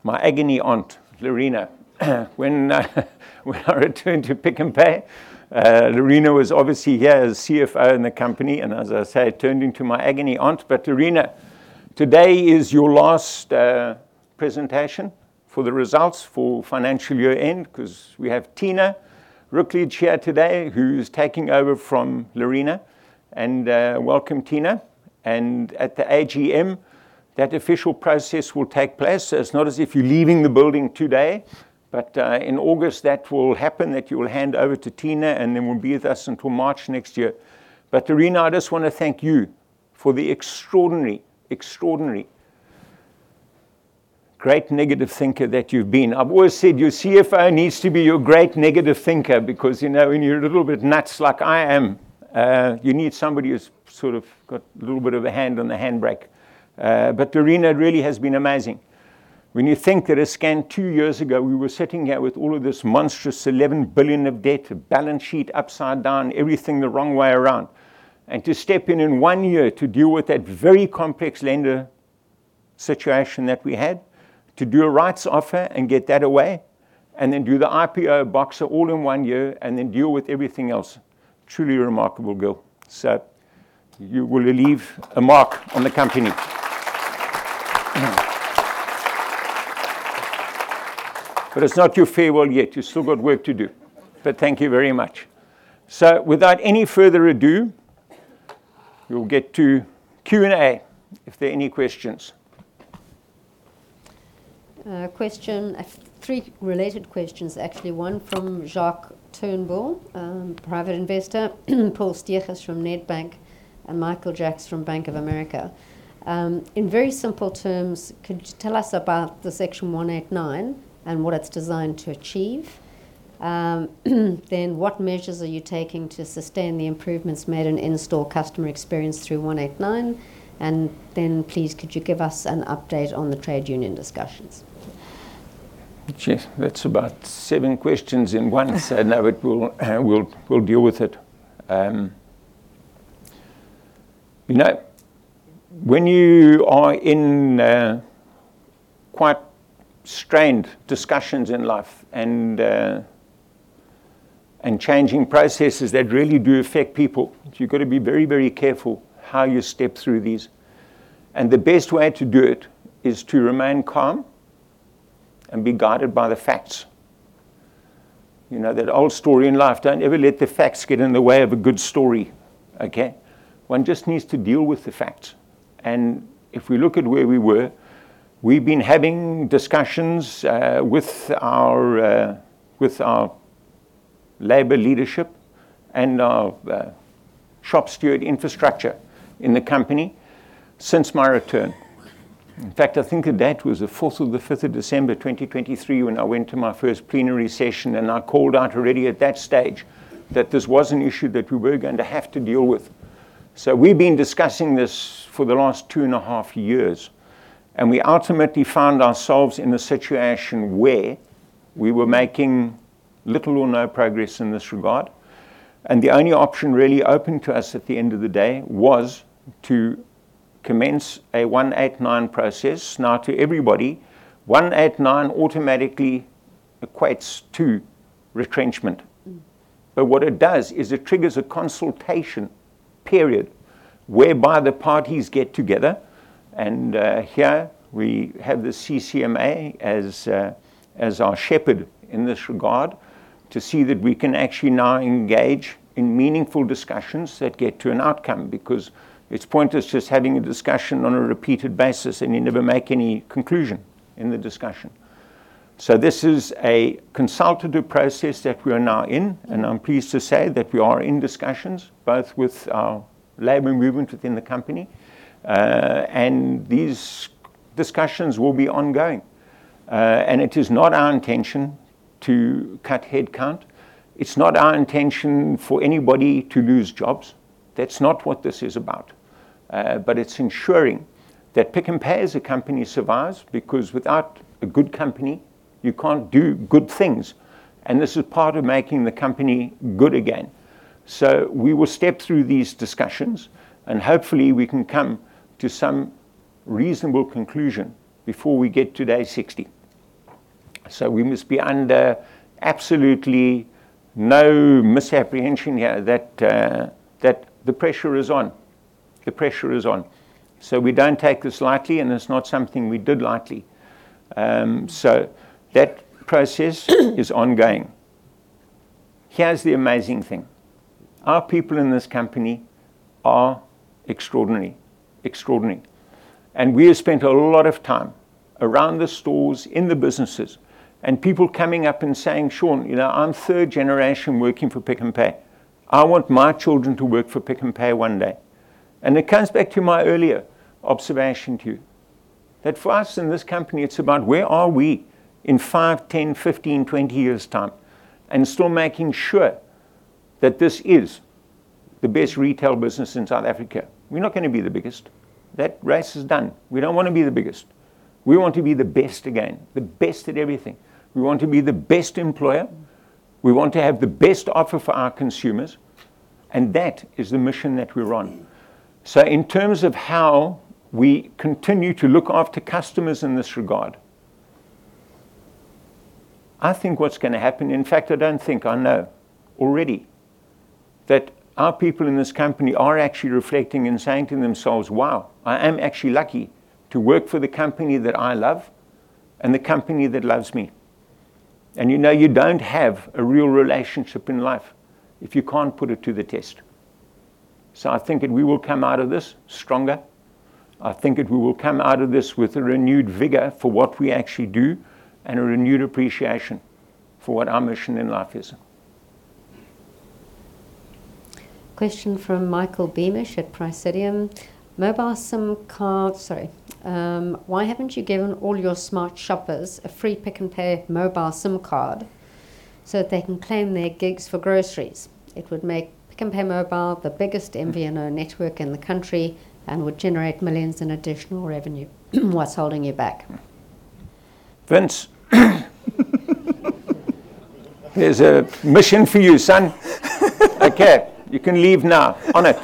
Speaker 1: my agony aunt, Lerena. When I returned to Pick n Pay, Lerena was obviously here as CFO in the company, and as I say, turned into my agony aunt. Lerena, today is your last presentation for the results for financial year-end because we have Tina Rookledge here today who's taking over from Lerena, and welcome, Tina. At the AGM, that official process will take place. It's not as if you're leaving the building today. In August, that will happen, that you will hand over to Tina, and then will be with us until March next year. Lerena, I just want to thank you for the extraordinary, great negative thinker that you've been. I've always said your CFO needs to be your great negative thinker because when you're a little bit nuts like I am, you need somebody who's sort of got a little bit of a hand on the handbrake. Lerena really has been amazing. When you think that a scant two years ago, we were sitting here with all of this monstrous 11 billion of debt, a balance sheet upside down, everything the wrong way around, and to step in in one year to deal with that very complex lender situation that we had, to do a rights offer and get that away, and then do the IPO Boxer all in one year, and then deal with everything else, truly remarkable, Lerena. You will leave a mark on the company. It's not your farewell yet. You've still got work to do. Thank you very much. Without any further ado, we'll get to Q&A if there are any questions.
Speaker 3: Question. Three related questions, actually. One from Jacques Turnbull, private investor, Paul Steegers from Nedbank, and Michael Jacks from Bank of America. In very simple terms, could you tell us about the Section 189 and what it's designed to achieve? What measures are you taking to sustain the improvements made in in-store customer experience through 189? Please could you give us an update on the trade union discussions?
Speaker 1: That's about seven questions in one. Now we'll deal with it. When you are in quite strained discussions in life and changing processes that really do affect people, you've got to be very careful how you step through these. The best way to do it is to remain calm and be guided by the facts. You know that old story in life, don't ever let the facts get in the way of a good story. Okay? One just needs to deal with the fact. If we look at where we were, we've been having discussions with our labor leadership and our shop steward infrastructure in the company since my return. In fact, I think that was the 4th or the 5th of December 2023 when I went to my first plenary session and I called out already at that stage that this was an issue that we were going to have to deal with. We've been discussing this for the last two and a half years, and we ultimately found ourselves in a situation where we were making little or no progress in this regard. The only option really open to us at the end of the day was to commence a 189 process. To everybody, 189 automatically equates to retrenchment. What it does is it triggers a consultation period whereby the parties get together. Here we have the CCMA as our shepherd in this regard to see that we can actually now engage in meaningful discussions that get to an outcome, because it's pointless just having a discussion on a repeated basis, and you never make any conclusion in the discussion. This is a consultative process that we are now in, and I'm pleased to say that we are in discussions both with our labor movement within the company. These discussions will be ongoing. It is not our intention to cut headcount. It's not our intention for anybody to lose jobs. That's not what this is about. It's ensuring that Pick n Pay as a company survives because without a good company, you can't do good things. This is part of making the company good again. We will step through these discussions, and hopefully we can come to some reasonable conclusion before we get to day 60. We must be under absolutely no misapprehension here that the pressure is on. We don't take this lightly, and it's not something we did lightly. That process is ongoing. Here's the amazing thing. Our people in this company are extraordinary. We have spent a lot of time around the stores, in the businesses, and people coming up and saying, "Sean, I'm third generation working for Pick n Pay. I want my children to work for Pick n Pay one day." It comes back to my earlier observation to you, that for us in this company, it's about where are we in five, 10, 15, 20 years' time, and still making sure that this is the best retail business in South Africa. We're not going to be the biggest. That race is done. We don't want to be the biggest. We want to be the best again, the best at everything. We want to be the best employer. We want to have the best offer for our consumers. That is the mission that we're on. In terms of how we continue to look after customers in this regard, I think what's going to happen, in fact I don't think, I know already, that our people in this company are actually reflecting and saying to themselves, "Wow, I am actually lucky to work for the company that I love and a company that loves me." You don't have a real relationship in life if you can't put it to the test. I think that we will come out of this stronger. I think that we will come out of this with a renewed vigor for what we actually do and a renewed appreciation for what our mission in life is.
Speaker 3: Question from Michael Beamish at Praesidium. Mobile SIM card, sorry. Why haven't you given all your Smart Shoppers a free Pick n Pay Mobile SIM card so that they can claim their gigs for groceries? It would make Pick n Pay Mobile the biggest MVNO network in the country and would generate millions in additional revenue. What's holding you back?
Speaker 1: Vince, here's a mission for you, son. Okay, you can leave now. On it.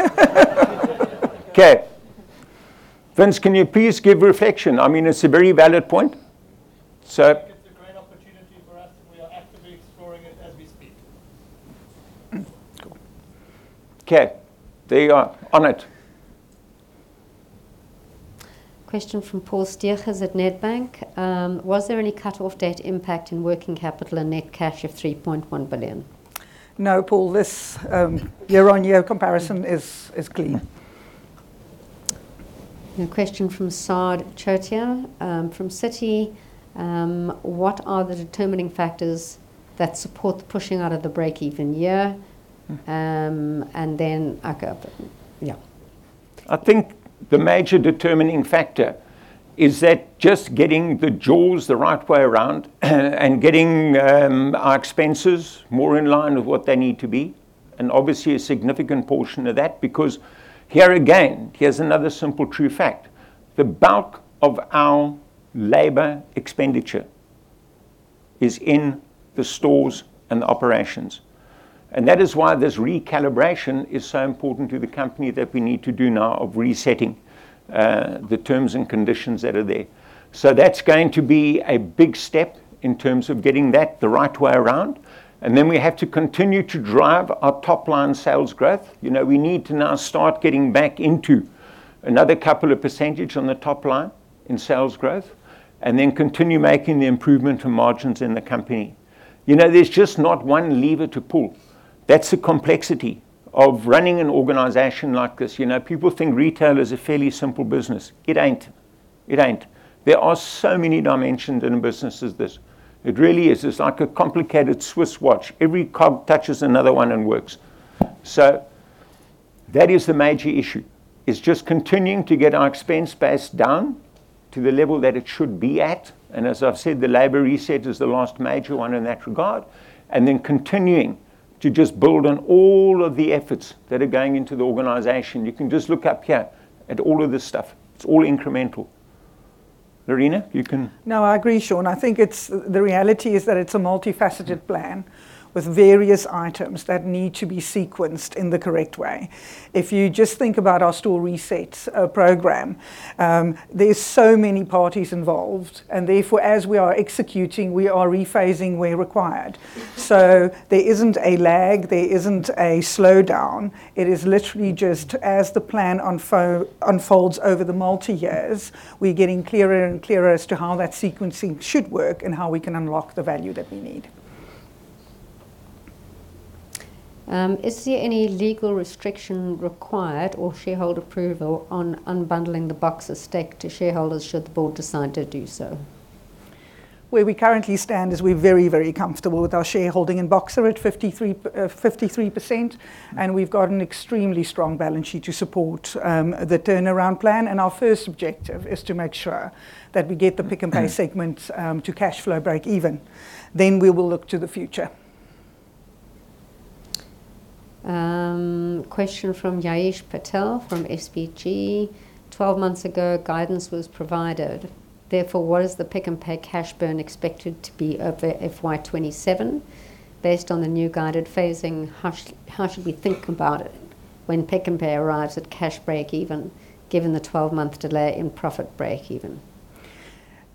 Speaker 1: Okay. Vince, can you please give reflection? I mean, it's a very valid point.
Speaker 4: It's a great opportunity for us, and we are actively exploring it as we speak.
Speaker 1: Okay. There you are. On it
Speaker 3: Question from Paul Steenhuisen at Nedbank: Was there any cut-off date impact in working capital and net cash of 3.1 billion?
Speaker 1: No, Paul, this year-on-year comparison is clean.
Speaker 3: A question from Sa'ad Chothia from Citi: What are the determining factors that support the pushing out of the break-even year? Okay, yeah.
Speaker 1: I think the major determining factor is that just getting the jaws the right way around and getting our expenses more in line with what they need to be. Obviously a significant portion of that. Here again, here's another simple true fact. The bulk of our labor expenditure is in the stores and operations. That is why this recalibration is so important to the company that we need to do now of resetting the terms and conditions that are there. That's going to be a big step in terms of getting that the right way around. Then we have to continue to drive our top-line sales growth. We need to now start getting back into another couple of percentage on the top line in sales growth. Then continue making the improvement in margins in the company. There's just not one lever to pull. That's the complexity of running an organization like this. People think retail is a fairly simple business. It ain't. There are so many dimensions in a business as this. It really is. It's like a complicated Swiss watch. Every cog touches another one and works. That is the major issue, is just continuing to get our expense base down to the level that it should be at, and as I've said, the labor reset is the last major one in that regard, and then continuing to just build on all of the efforts that are going into the organization. You can just look up here at all of this stuff. It's all incremental. Lerena, you can
Speaker 2: No, I agree, Sean. I think the reality is that it's a multifaceted plan with various items that need to be sequenced in the correct way. If you just think about our store resets program, there's so many parties involved, and therefore, as we are executing, we are rephasing where required. There isn't a lag, there isn't a slowdown. It is literally just as the plan unfolds over the multi years, we're getting clearer and clearer as to how that sequencing should work and how we can unlock the value that we need.
Speaker 3: Is there any legal restriction required or shareholder approval on unbundling the Boxer stake to shareholders should the board decide to do so?
Speaker 2: Where we currently stand is we're very, very comfortable with our shareholding in Boxer at 53%, and we've got an extremely strong balance sheet to support the turnaround plan, and our first objective is to make sure that we get the Pick n Pay segment to cash flow breakeven. We will look to the future.
Speaker 3: Question from Ya'eesh Patel from SBG. 12 months ago, guidance was provided, what is the Pick n Pay cash burn expected to be over FY 2027 based on the new guided phasing? How should we think about it when Pick n Pay arrives at cash break even, given the 12-month delay in profit break even?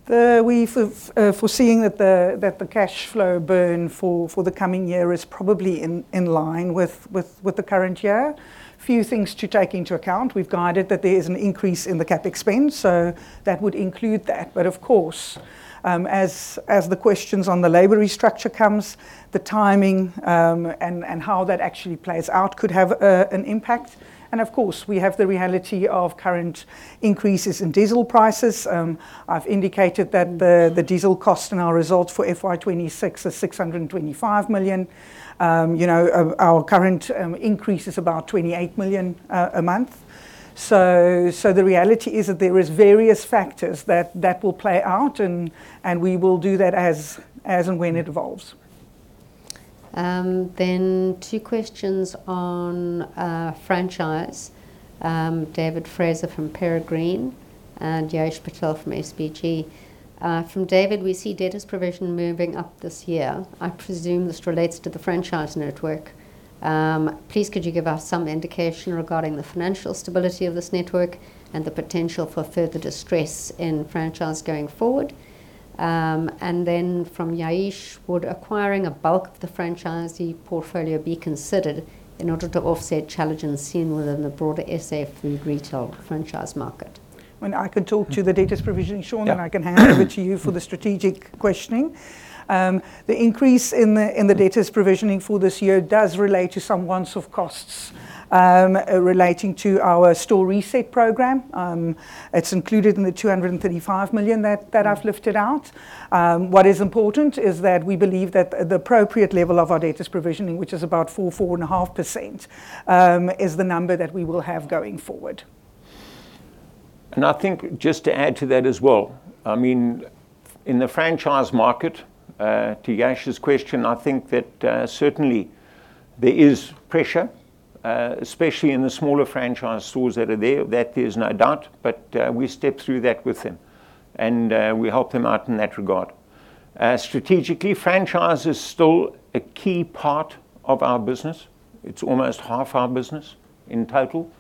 Speaker 2: We're foreseeing that the cash flow burn for the coming year is probably in line with the current year. A few things to take into account. We've guided that there is an increase in the CapEx spend, so that would include that. Of course, as the questions on the labor restructure comes, the timing, and how that actually plays out could have an impact, and of course, we have the reality of current increases in diesel prices. I've indicated that the diesel cost in our results for FY 2026 is 625 million. Our current increase is about 28 million a month. The reality is that there is various factors that will play out, and we will do that as and when it evolves.
Speaker 3: Two questions on franchise. David Fraser from Peregrine and Ya'eesh Patel from SBG. From David: We see debtors' provision moving up this year. I presume this relates to the franchise network. Please could you give us some indication regarding the financial stability of this network and the potential for further distress in franchise going forward? From Ya'eesh: Would acquiring a bulk of the franchisee portfolio be considered in order to offset challenges seen within the broader SA food retail franchise market?
Speaker 2: Well, I can talk to the debtors' provision, Sean, and I can hand over to you for the strategic questioning. The increase in the debtors' provisioning for this year does relate to some one-off costs relating to our store reset program. It's included in the 235 million that I've lifted out. What is important is that we believe that the appropriate level of our debtors' provisioning, which is about 4.5%, is the number that we will have going forward.
Speaker 1: I think just to add to that as well, in the franchise market, to Ya'eesh's question, I think that certainly there is pressure, especially in the smaller franchise stores that are there, that there's no doubt, but we step through that with them, and we help them out in that regard. Strategically, franchise is still a key part of our business. It's almost half our business in total.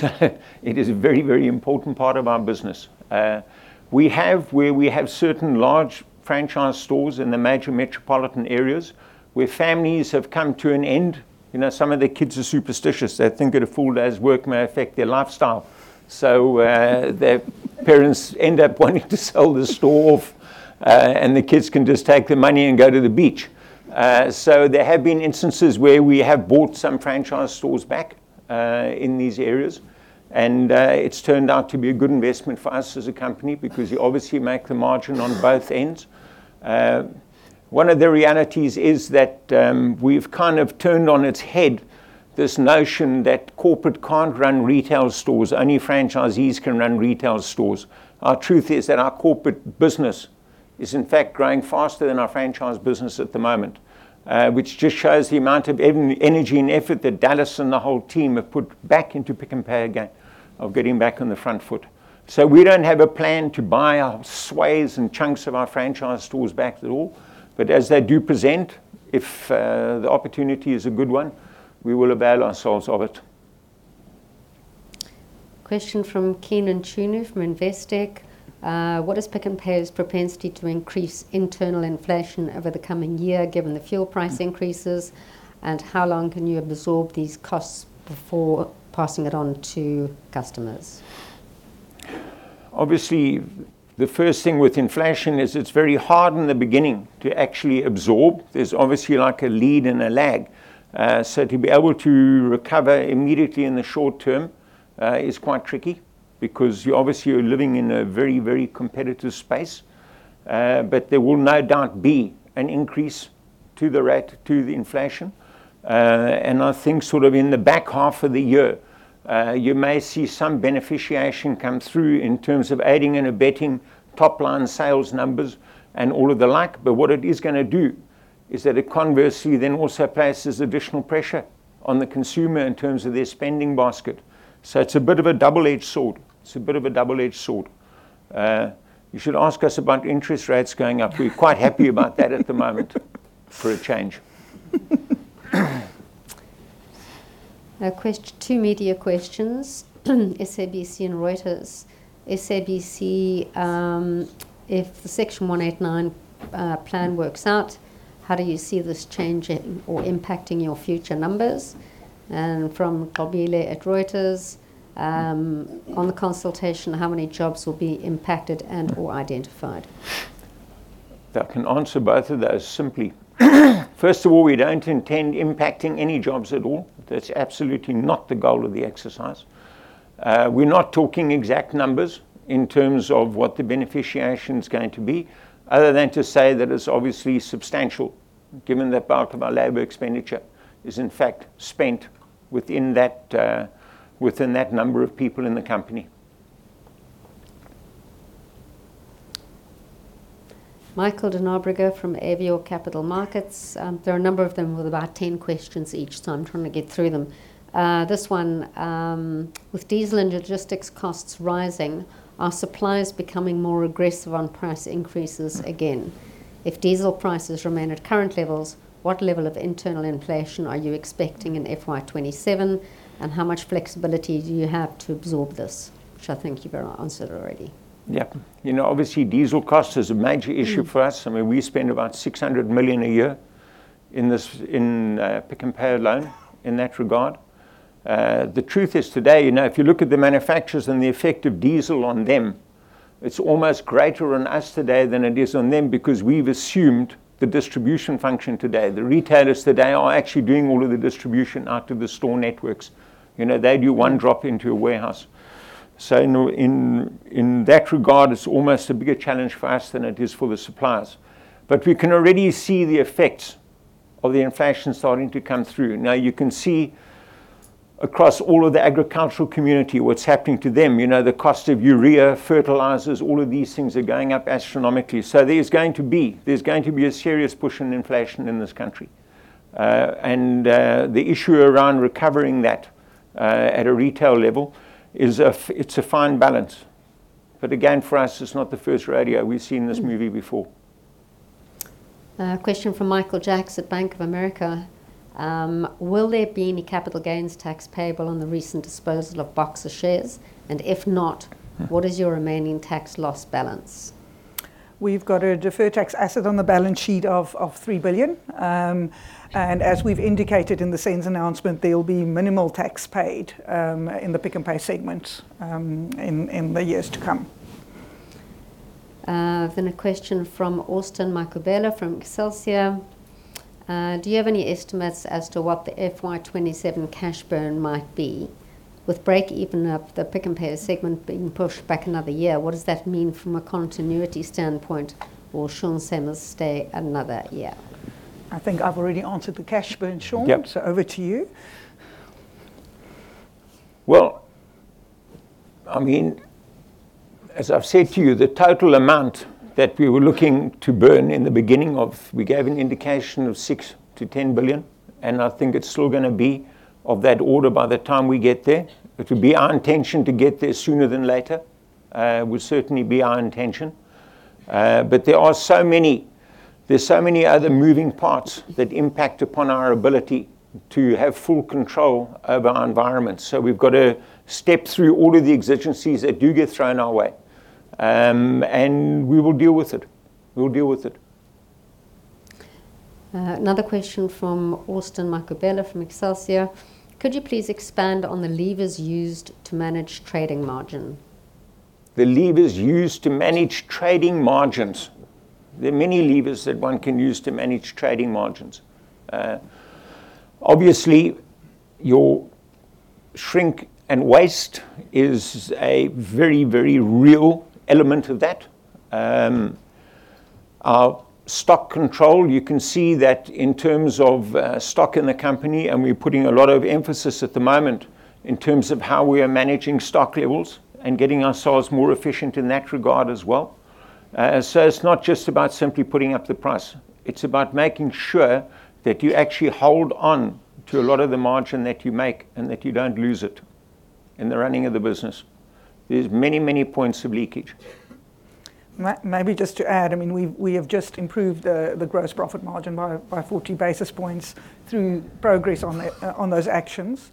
Speaker 1: It is a very important part of our business. Where we have certain large franchise stores in the major metropolitan areas where families have come to an end, some of their kids are superstitious. They think that a full day's work may affect their lifestyle. Their parents end up wanting to sell the store off, and the kids can just take the money and go to the beach. There have been instances where we have bought some franchise stores back in these areas, and it's turned out to be a good investment for us as a company because you obviously make the margin on both ends. One of the realities is that we've kind of turned on its head this notion that corporate can't run retail stores, only franchisees can run retail stores. Our truth is that our corporate business is in fact growing faster than our franchise business at the moment. Which just shows the amount of energy and effort that Dallas and the whole team have put back into Pick n Pay again of getting back on the front foot. We don't have a plan to buy swathes and chunks of our franchise stores back at all. As they do present, if the opportunity is a good one, we will avail ourselves of it.
Speaker 3: Question from Kim Duthie from Investec. What is Pick n Pay's propensity to increase internal inflation over the coming year given the fuel price increases, and how long can you absorb these costs before passing it on to customers?
Speaker 1: Obviously, the first thing with inflation is it's very hard in the beginning to actually absorb. There's obviously a lead and a lag. To be able to recover immediately in the short term is quite tricky because you obviously are living in a very competitive space. There will no doubt be an increase to the rate, to the inflation. I think sort of in the back half of the year, you may see some beneficiation come through in terms of adding and abetting top-line sales numbers and all of the like. What it is going to do is that it conversely then also places additional pressure on the consumer in terms of their spending basket. It's a bit of a double-edged sword. You should ask us about interest rates going up. We're quite happy about that at the moment, for a change.
Speaker 3: Now two media questions, SABC and Reuters. SABC, if the Section 189 plan works out, how do you see this changing or impacting your future numbers? From Bob Mule at Reuters, on the consultation, how many jobs will be impacted and/or identified?
Speaker 1: I can answer both of those simply. First of all, we don't intend impacting any jobs at all. That's absolutely not the goal of the exercise. We're not talking exact numbers in terms of what the beneficiation's going to be, other than to say that it's obviously substantial, given the bulk of our labor expenditure is in fact spent within that number of people in the company.
Speaker 3: Michael de Nabriga from Avior Capital Markets. There are a number of them with about 10 questions each, so I'm trying to get through them. This one, with diesel and logistics costs rising, are suppliers becoming more aggressive on price increases again? If diesel prices remain at current levels, what level of internal inflation are you expecting in FY27, and how much flexibility do you have to absorb this? Which I think you've answered already.
Speaker 1: Yeah. Obviously diesel cost is a major issue for us. We spend about 600 million a year in Pick n Pay alone in that regard. The truth is today, if you look at the manufacturers and the effect of diesel on them, it's almost greater on us today than it is on them because we've assumed the distribution function today. The retailers today are actually doing all of the distribution out of the store networks. They do one drop into a warehouse. In that regard, it's almost a bigger challenge for us than it is for the suppliers. We can already see the effects of the inflation starting to come through. Now you can see across all of the agricultural community, what's happening to them. The cost of urea, fertilizers, all of these things are going up astronomically. There's going to be a serious push on inflation in this country. The issue around recovering that at a retail level is a fine balance. Again, for us, it's not the first rodeo. We've seen this movie before.
Speaker 3: Question from Michael Jacks at Bank of America. Will there be any capital gains tax payable on the recent disposal of Boxer shares? And if not, what is your remaining tax loss balance?
Speaker 2: We've got a deferred tax asset on the balance sheet of 3 billion. As we've indicated in the SENS announcement, there will be minimal tax paid in the Pick n Pay segment in the years to come.
Speaker 3: A question from Austin Michela from Excelsior. Do you have any estimates as to what the FY 2027 cash burn might be? With breakeven of the Pick n Pay segment being pushed back another year, what does that mean from a continuity standpoint? Will Sean Summers stay another year?
Speaker 2: I think I've already answered the cash burn, Sean.
Speaker 1: Yep.
Speaker 2: Over to you.
Speaker 1: Well, as I've said to you, the total amount that we were looking to burn in the beginning of, we gave an indication of 6 billion-10 billion, and I think it's still going to be of that order by the time we get there. It'd be our intention to get there sooner than later, would certainly be our intention. There's so many other moving parts that impact upon our ability to have full control over our environment. We've got to step through all of the exigencies that do get thrown our way. We will deal with it.
Speaker 3: Another question from Austin Michael Bella from Excelsior. Could you please expand on the levers used to manage trading margin?
Speaker 1: The levers used to manage trading margins. There are many levers that one can use to manage trading margins. Obviously, your shrink and waste is a very, very real element of that. Stock control, you can see that in terms of stock in the company, and we're putting a lot of emphasis at the moment in terms of how we are managing stock levels and getting ourselves more efficient in that regard as well. It's not just about simply putting up the price. It's about making sure that you actually hold on to a lot of the margin that you make and that you don't lose it in the running of the business. There's many, many points of leakage.
Speaker 2: Maybe just to add, we have just improved the gross profit margin by 40 basis points through progress on those actions.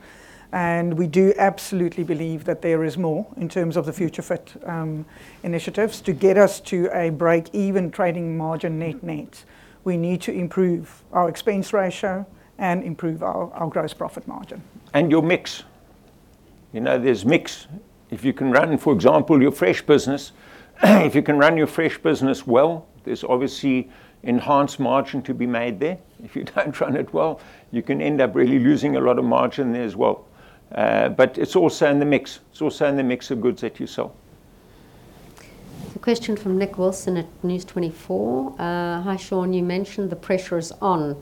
Speaker 2: We do absolutely believe that there is more in terms of the future initiatives to get us to a break-even trading margin net. We need to improve our expense ratio and improve our gross profit margin.
Speaker 1: Your mix. There is mix. If you can run, for example, your fresh business well, there is obviously enhanced margin to be made there. If you do not run it well, you can end up really losing a lot of margin there as well. It is also in the mix. It is also in the mix of goods that you sell.
Speaker 3: A question from Nick Wilson at News24. "Hi, Sean, you mentioned the pressure is on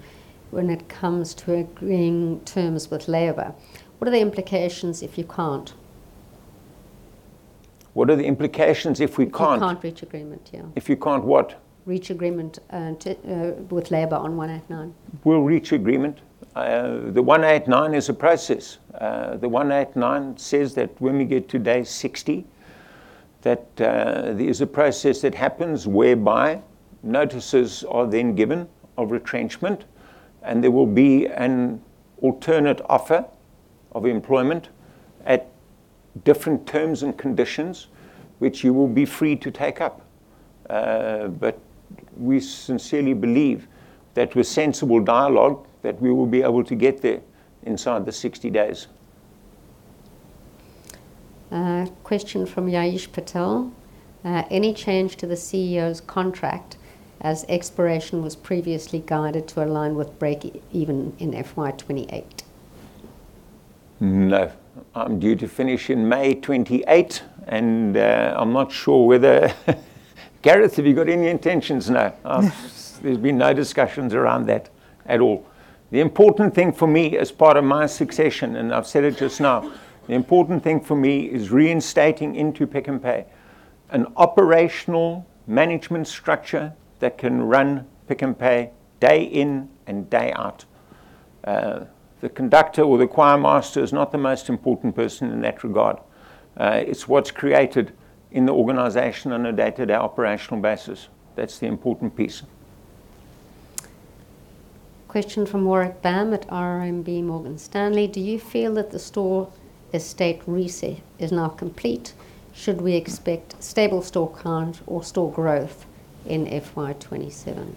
Speaker 3: when it comes to agreeing terms with labor. What are the implications if you can't?
Speaker 1: What are the implications if we can't?
Speaker 3: If you can't reach agreement, yeah.
Speaker 1: If you can't what?
Speaker 3: Reach agreement with labor on 189.
Speaker 1: We'll reach agreement. The 189 is a process. The 189 says that when we get to day 60, that there's a process that happens whereby notices are then given of retrenchment, and there will be an alternate offer of employment at different terms and conditions, which you will be free to take up. We sincerely believe that with sensible dialogue, that we will be able to get there inside the 60 days.
Speaker 3: Question from Jayesh Patel. "Any change to the CEO's contract as expiration was previously guided to align with break even in FY 2028?
Speaker 1: No. I'm due to finish in May 2028, and I'm not sure whether Gareth, have you got any intentions? No. There's been no discussions around that at all. The important thing for me as part of my succession, and I've said it just now, the important thing for me is reinstating into Pick n Pay an operational management structure that can run Pick n Pay day in and day out. The conductor or the choirmaster is not the most important person in that regard. It's what's created in the organization on a day-to-day operational basis. That's the important piece.
Speaker 3: Question from Warwick Bam at RMB Morgan Stanley: Do you feel that the store estate reset is now complete? Should we expect stable store count or store growth in FY 2027?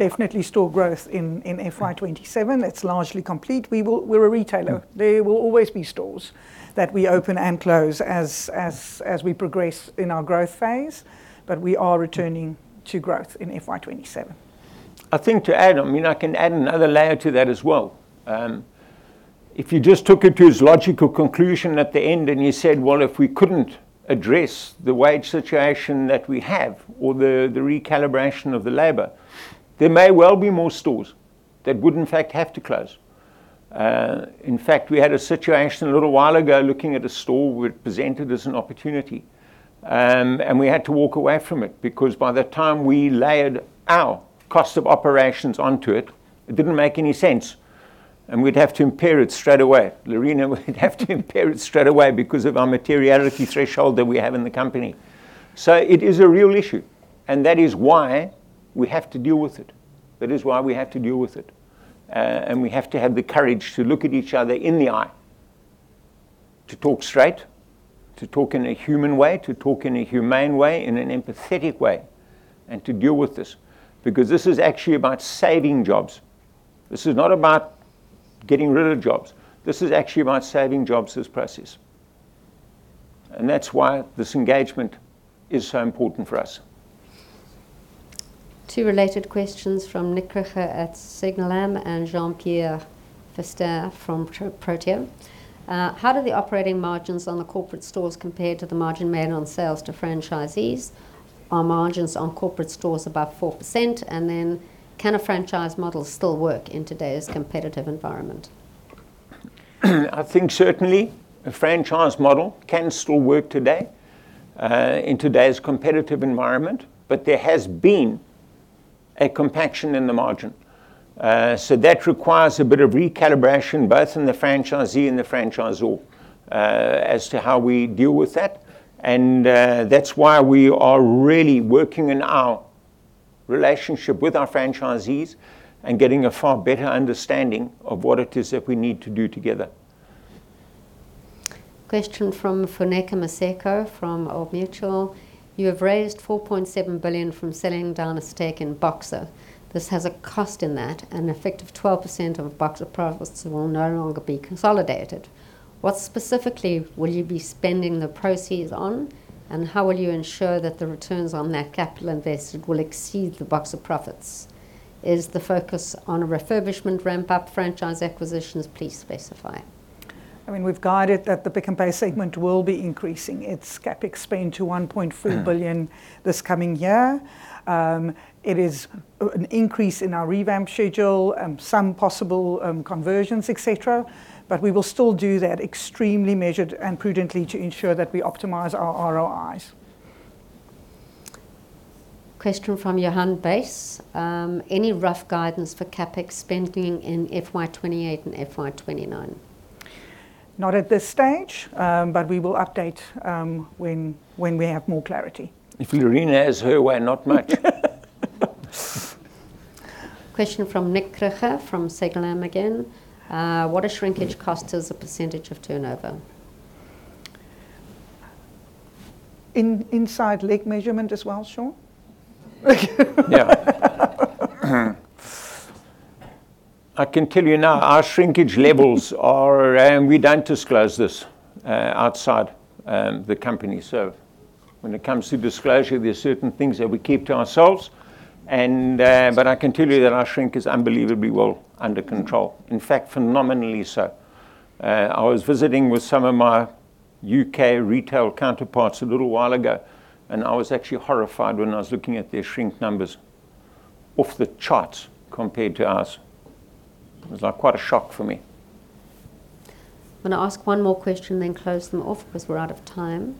Speaker 2: Definitely store growth in FY 2027. That's largely complete. We're a retailer. There will always be stores that we open and close as we progress in our growth phase, but we are returning to growth in FY 2027.
Speaker 1: I think to add on, I can add another layer to that as well. If you just took it to its logical conclusion at the end and you said, well, if we couldn't address the wage situation that we have or the recalibration of the labor, there may well be more stores that would, in fact, have to close. In fact, we had a situation a little while ago looking at a store we'd presented as an opportunity, and we had to walk away from it because by the time we layered our cost of operations onto it didn't make any sense, and we'd have to impair it straight away. Lerena would have to impair it straight away because of our materiality threshold that we have in the company. It is a real issue, and that is why we have to deal with it. That is why we have to deal with it. We have to have the courage to look at each other in the eye, to talk straight, to talk in a human way, to talk in a humane way, in an empathetic way, and to deal with this, because this is actually about saving jobs. This is not about getting rid of jobs. This is actually about saving jobs, this process. That's why this engagement is so important for us.
Speaker 3: Two related questions from Nick Hofer at Signum and Jean Pierre Verster from Protea. How do the operating margins on the corporate stores compare to the margin made on sales to franchisees? Are margins on corporate stores above 4%? Can a franchise model still work in today's competitive environment?
Speaker 1: I think certainly a franchise model can still work today, in today's competitive environment, but there has been a compaction in the margin. That requires a bit of recalibration, both in the franchisee and the franchisor, as to how we deal with that. That's why we are really working on our relationship with our franchisees and getting a far better understanding of what it is that we need to do together.
Speaker 3: Question from Funeka Maseko from Old Mutual. You have raised 4.7 billion from selling down a stake in Boxer. This has a cost in that an effective 12% of Boxer profits will no longer be consolidated. What specifically will you be spending the proceeds on, and how will you ensure that the returns on that capital invested will exceed the Boxer profits? Is the focus on a refurbishment ramp-up franchise acquisitions? Please specify.
Speaker 2: We've guided that the Pick n Pay segment will be increasing its CapEx spend to 1.4 billion this coming year. It is an increase in our revamp schedule and some possible conversions, et cetera, but we will still do that extremely measured and prudently to ensure that we optimize our ROIs.
Speaker 3: Question from Johann Buys. Any rough guidance for CapEx spending in FY 2028 and FY 2029?
Speaker 2: Not at this stage. We will update when we have more clarity.
Speaker 1: If Lerena has her way, not much.
Speaker 3: Question from Nicholas Dakin from Segamé again. What are shrinkage costs as a % of turnover?
Speaker 2: Inside leg measurement as well, Sean?
Speaker 1: Yeah. I can tell you now, our shrinkage levels are, we don't disclose this outside the company. When it comes to disclosure, there are certain things that we keep to ourselves. I can tell you that our shrink is unbelievably well under control. In fact, phenomenally so. I was visiting with some of my U.K. retail counterparts a little while ago, and I was actually horrified when I was looking at their shrink numbers. Off the charts compared to ours. It was quite a shock for me.
Speaker 3: I'm going to ask 1 more question, close them off because we're out of time.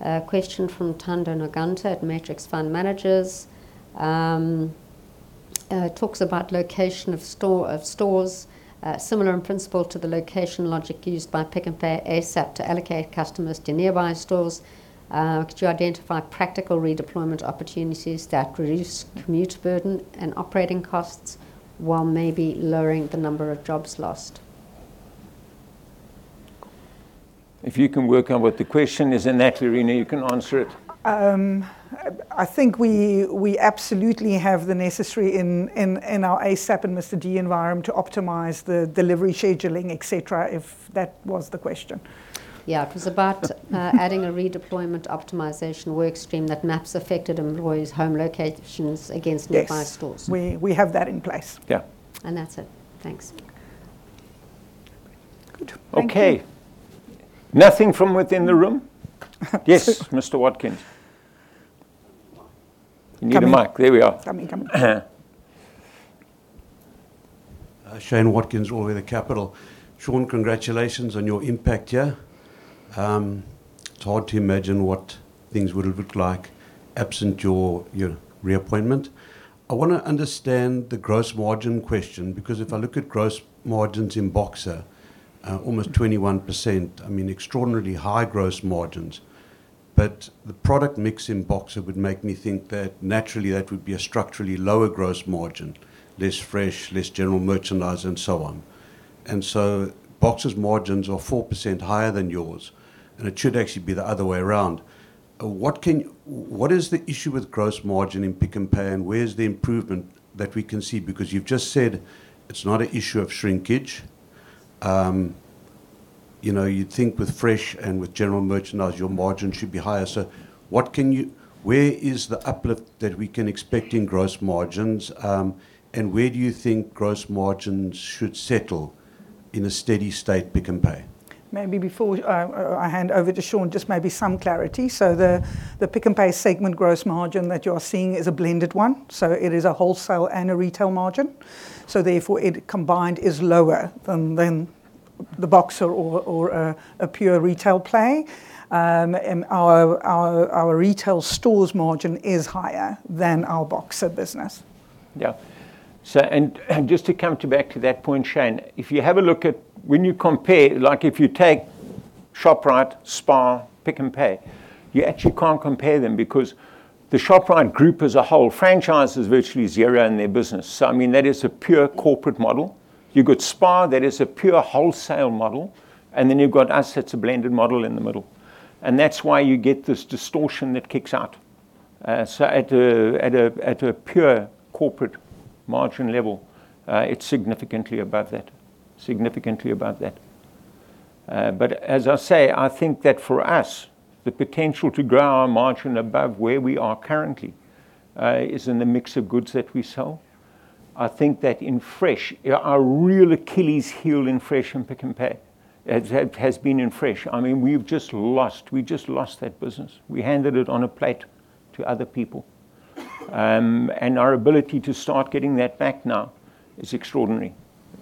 Speaker 3: A question from Thando Noganta at Matrix Fund Managers. It talks about location of stores. Similar in principle to the location logic used by Pick n Pay asap! to allocate customers to nearby stores, to identify practical redeployment opportunities that reduce commute burden and operating costs while maybe lowering the number of jobs lost.
Speaker 1: If you can work out what the question is, and Natalie and you can answer it.
Speaker 2: I think we absolutely have the necessary in our asap! and SD environment to optimize the delivery scheduling, et cetera, if that was the question.
Speaker 3: Yeah. It was about adding a redeployment optimization workstream that maps affected employees' home locations against nearby stores.
Speaker 2: Yes. We have that in place.
Speaker 1: Yeah.
Speaker 3: That's it. Thanks.
Speaker 1: Okay. Nothing from within the room? Yes, Mr. Watkins. Give him the mic. There we are.
Speaker 3: Come, come.
Speaker 5: Shane Watkins, All Weather Capital. Sean, congratulations on your impact here. It's hard to imagine what things would have looked like absent your reappointment. I want to understand the gross margin question, because if I look at gross margins in Boxer, almost 21%, extraordinarily high gross margins. But the product mix in Boxer would make me think that naturally that would be a structurally lower gross margin, less fresh, less general merchandise, and so on. Boxer's margins are 4% higher than yours, and it should actually be the other way around. What is the issue with gross margin in Pick n Pay, and where's the improvement that we can see? Because you've just said it's not an issue of shrinkage. You'd think with fresh and with general merchandise, your margin should be higher. Where is the uplift that we can expect in gross margins, and where do you think gross margins should settle in a steady state Pick n Pay?
Speaker 2: Maybe before I hand over to Sean, just maybe some clarity. The Pick n Pay segment gross margin that you're seeing is a blended one, so it is a wholesale and a retail margin, so therefore it combined is lower than the Boxer or a pure retail play. Our retail stores margin is higher than our Boxer business.
Speaker 1: Yeah. Just to come back to that point, Shane, if you have a look at when you compare, like if you take Shoprite, SPAR, Pick n Pay, you actually can't compare them because the Shoprite Group as a whole, franchise is virtually zero in their business. I mean, that is a pure corporate model. You've got SPAR that is a pure wholesale model, then you've got us, that's a blended model in the middle. That's why you get this distortion that kicks out. At a pure corporate margin level, it's significantly above that. Significantly above that. As I say, I think that for us, the potential to grow our margin above where we are currently is in the mix of goods that we sell. I think that in fresh, our real Achilles heel in fresh and Pick n Pay, has been in fresh. We just lost that business. We handed it on a plate to other people, our ability to start getting that back now is extraordinary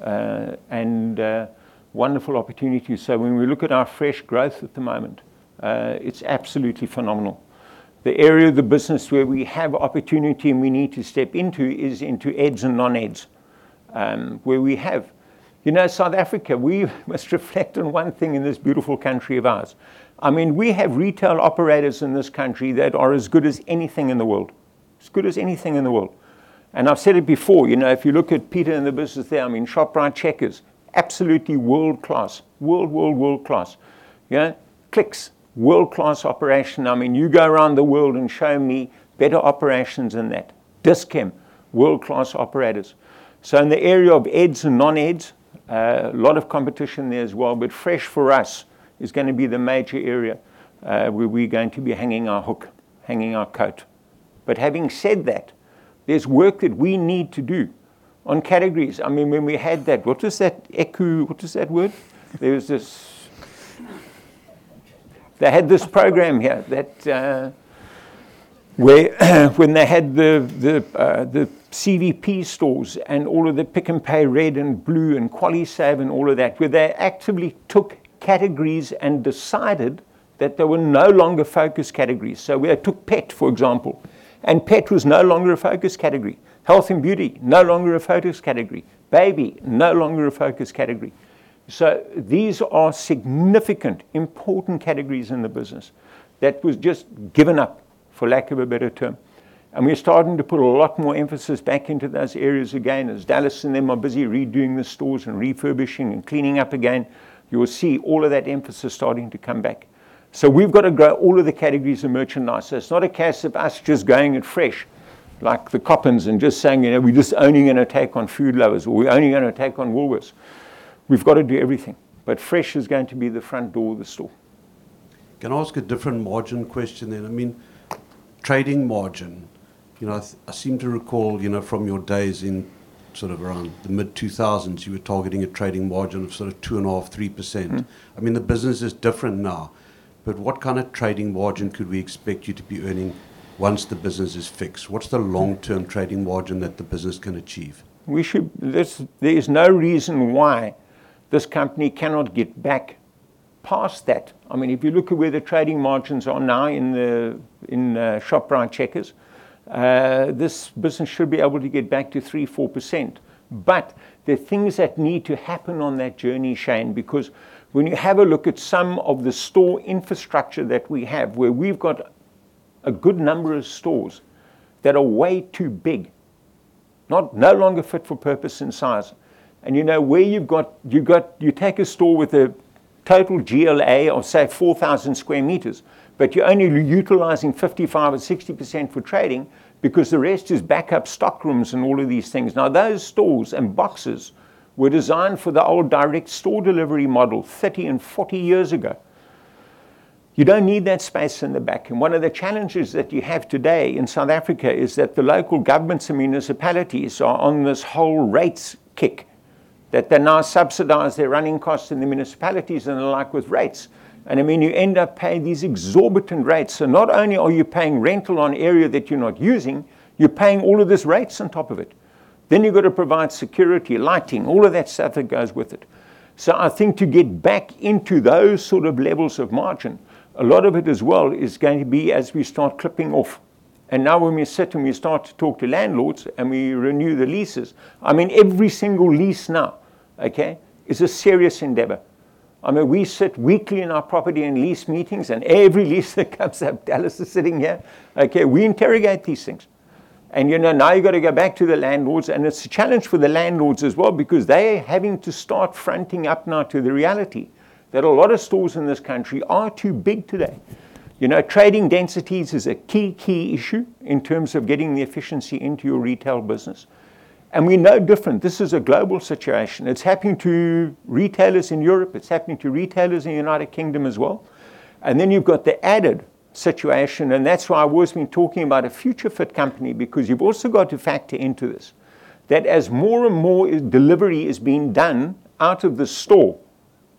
Speaker 1: and wonderful opportunity. When we look at our fresh growth at the moment, it's absolutely phenomenal. The area of the business where we have opportunity and we need to step into is into edibles and non-edibles. South Africa, we must reflect on one thing in this beautiful country of ours. We have retail operators in this country that are as good as anything in the world. As good as anything in the world. I've said it before, if you look at Peter and the business there, Shoprite Checkers, absolutely world-class. World-class. Clicks, world-class operation. You go around the world and show me better operations than that. Dis-Chem, world-class operators. In the area of edibles and non-edibles, a lot of competition there as well, but fresh for us is going to be the major area where we're going to be hanging our hook, hanging our coat. Having said that, there's work that we need to do on categories. When we had that, what is that echo? What is that word? They had this program here that, when they had the CDP stores and all of the Pick n Pay red and blue and QualiSave and all of that, where they actively took categories and decided that they were no longer focus categories. We took pet, for example, and pet was no longer a focus category. Health and beauty, no longer a focus category. Baby, no longer a focus category. These are significant, important categories in the business that was just given up, for lack of a better term. We're starting to put a lot more emphasis back into those areas again, as Dallas and them are busy redoing the stores and refurbishing and cleaning up again. You'll see all of that emphasis starting to come back. We've got to grow all of the categories of merchandise. It's not a case of us just going it fresh, like the Coppens and just saying, "We're just only going to take on Food Lover's Market," or, "We're only going to take on Woolworths." We've got to do everything. Fresh is going to be the front door of the store.
Speaker 5: Can I ask a different margin question then? Trading margin, I seem to recall, from your days in sort of around the mid-2000s, you were targeting a trading margin of sort of 2.5%-3%. The business is different now. What kind of trading margin could we expect you to be earning once the business is fixed? What's the long-term trading margin that the business can achieve?
Speaker 1: There's no reason why this company cannot get back past that. If you look at where the trading margins are now in Shoprite Checkers, this business should be able to get back to 3%-4%. There are things that need to happen on that journey, Shane, because when you have a look at some of the store infrastructure that we have, where we've got a good number of stores that are way too big, no longer fit for purpose and size. Where you take a store with a total GLA of, say, 4,000 sq m, but you're only utilizing 55%-60% for trading because the rest is backup stock rooms and all of these things. Now, those stores and boxes were designed for the old direct store delivery model 30-40 years ago. You don't need that space in the back. One of the challenges that you have today in South Africa is that the local governments and municipalities are on this whole rates kick, that they now subsidize their running costs in the municipalities and the like with rates. You end up paying these exorbitant rates. Not only are you paying rental on an area that you're not using, you're paying all of this rates on top of it. You've got to provide security, lighting, all of that stuff that goes with it. I think to get back into those sort of levels of margin, a lot of it as well is going to be as we start clipping off. Now when we sit and we start to talk to landlords and we renew the leases, every single lease now, okay, is a serious endeavor. We sit weekly in our property and lease meetings and every lease that comes up, Dallas is sitting here. Okay, we interrogate these things. Now you've got to go back to the landlords, and it's a challenge for the landlords as well because they're having to start fronting up now to the reality that a lot of stores in this country are too big today. Trading densities is a key issue in terms of getting the efficiency into your retail business. We're no different. This is a global situation. It's happening to retailers in Europe. It's happening to retailers in the United Kingdom as well. You've got the added situation, and that's why I've always been talking about a Future Fit company, because you've also got to factor into this, that as more and more delivery is being done out of the store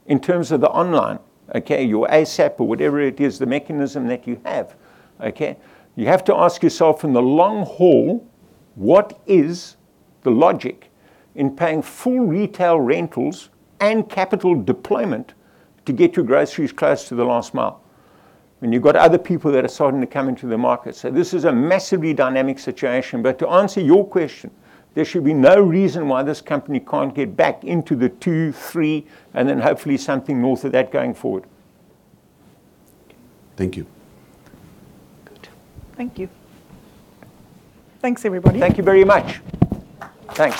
Speaker 1: in terms of the online, okay, your asap! or whatever it is, the mechanism that you have, okay? You have to ask yourself in the long haul, what is the logic in paying full retail rentals and capital deployment to get your groceries close to the last mile? You've got other people that are starting to come into the market. This is a massively dynamic situation. There should be no reason why this company can't get back into the 2, 3, and then hopefully something more to that going forward.
Speaker 5: Thank you.
Speaker 1: Good. Thank you. Thanks, everybody. Thank you very much. Thanks.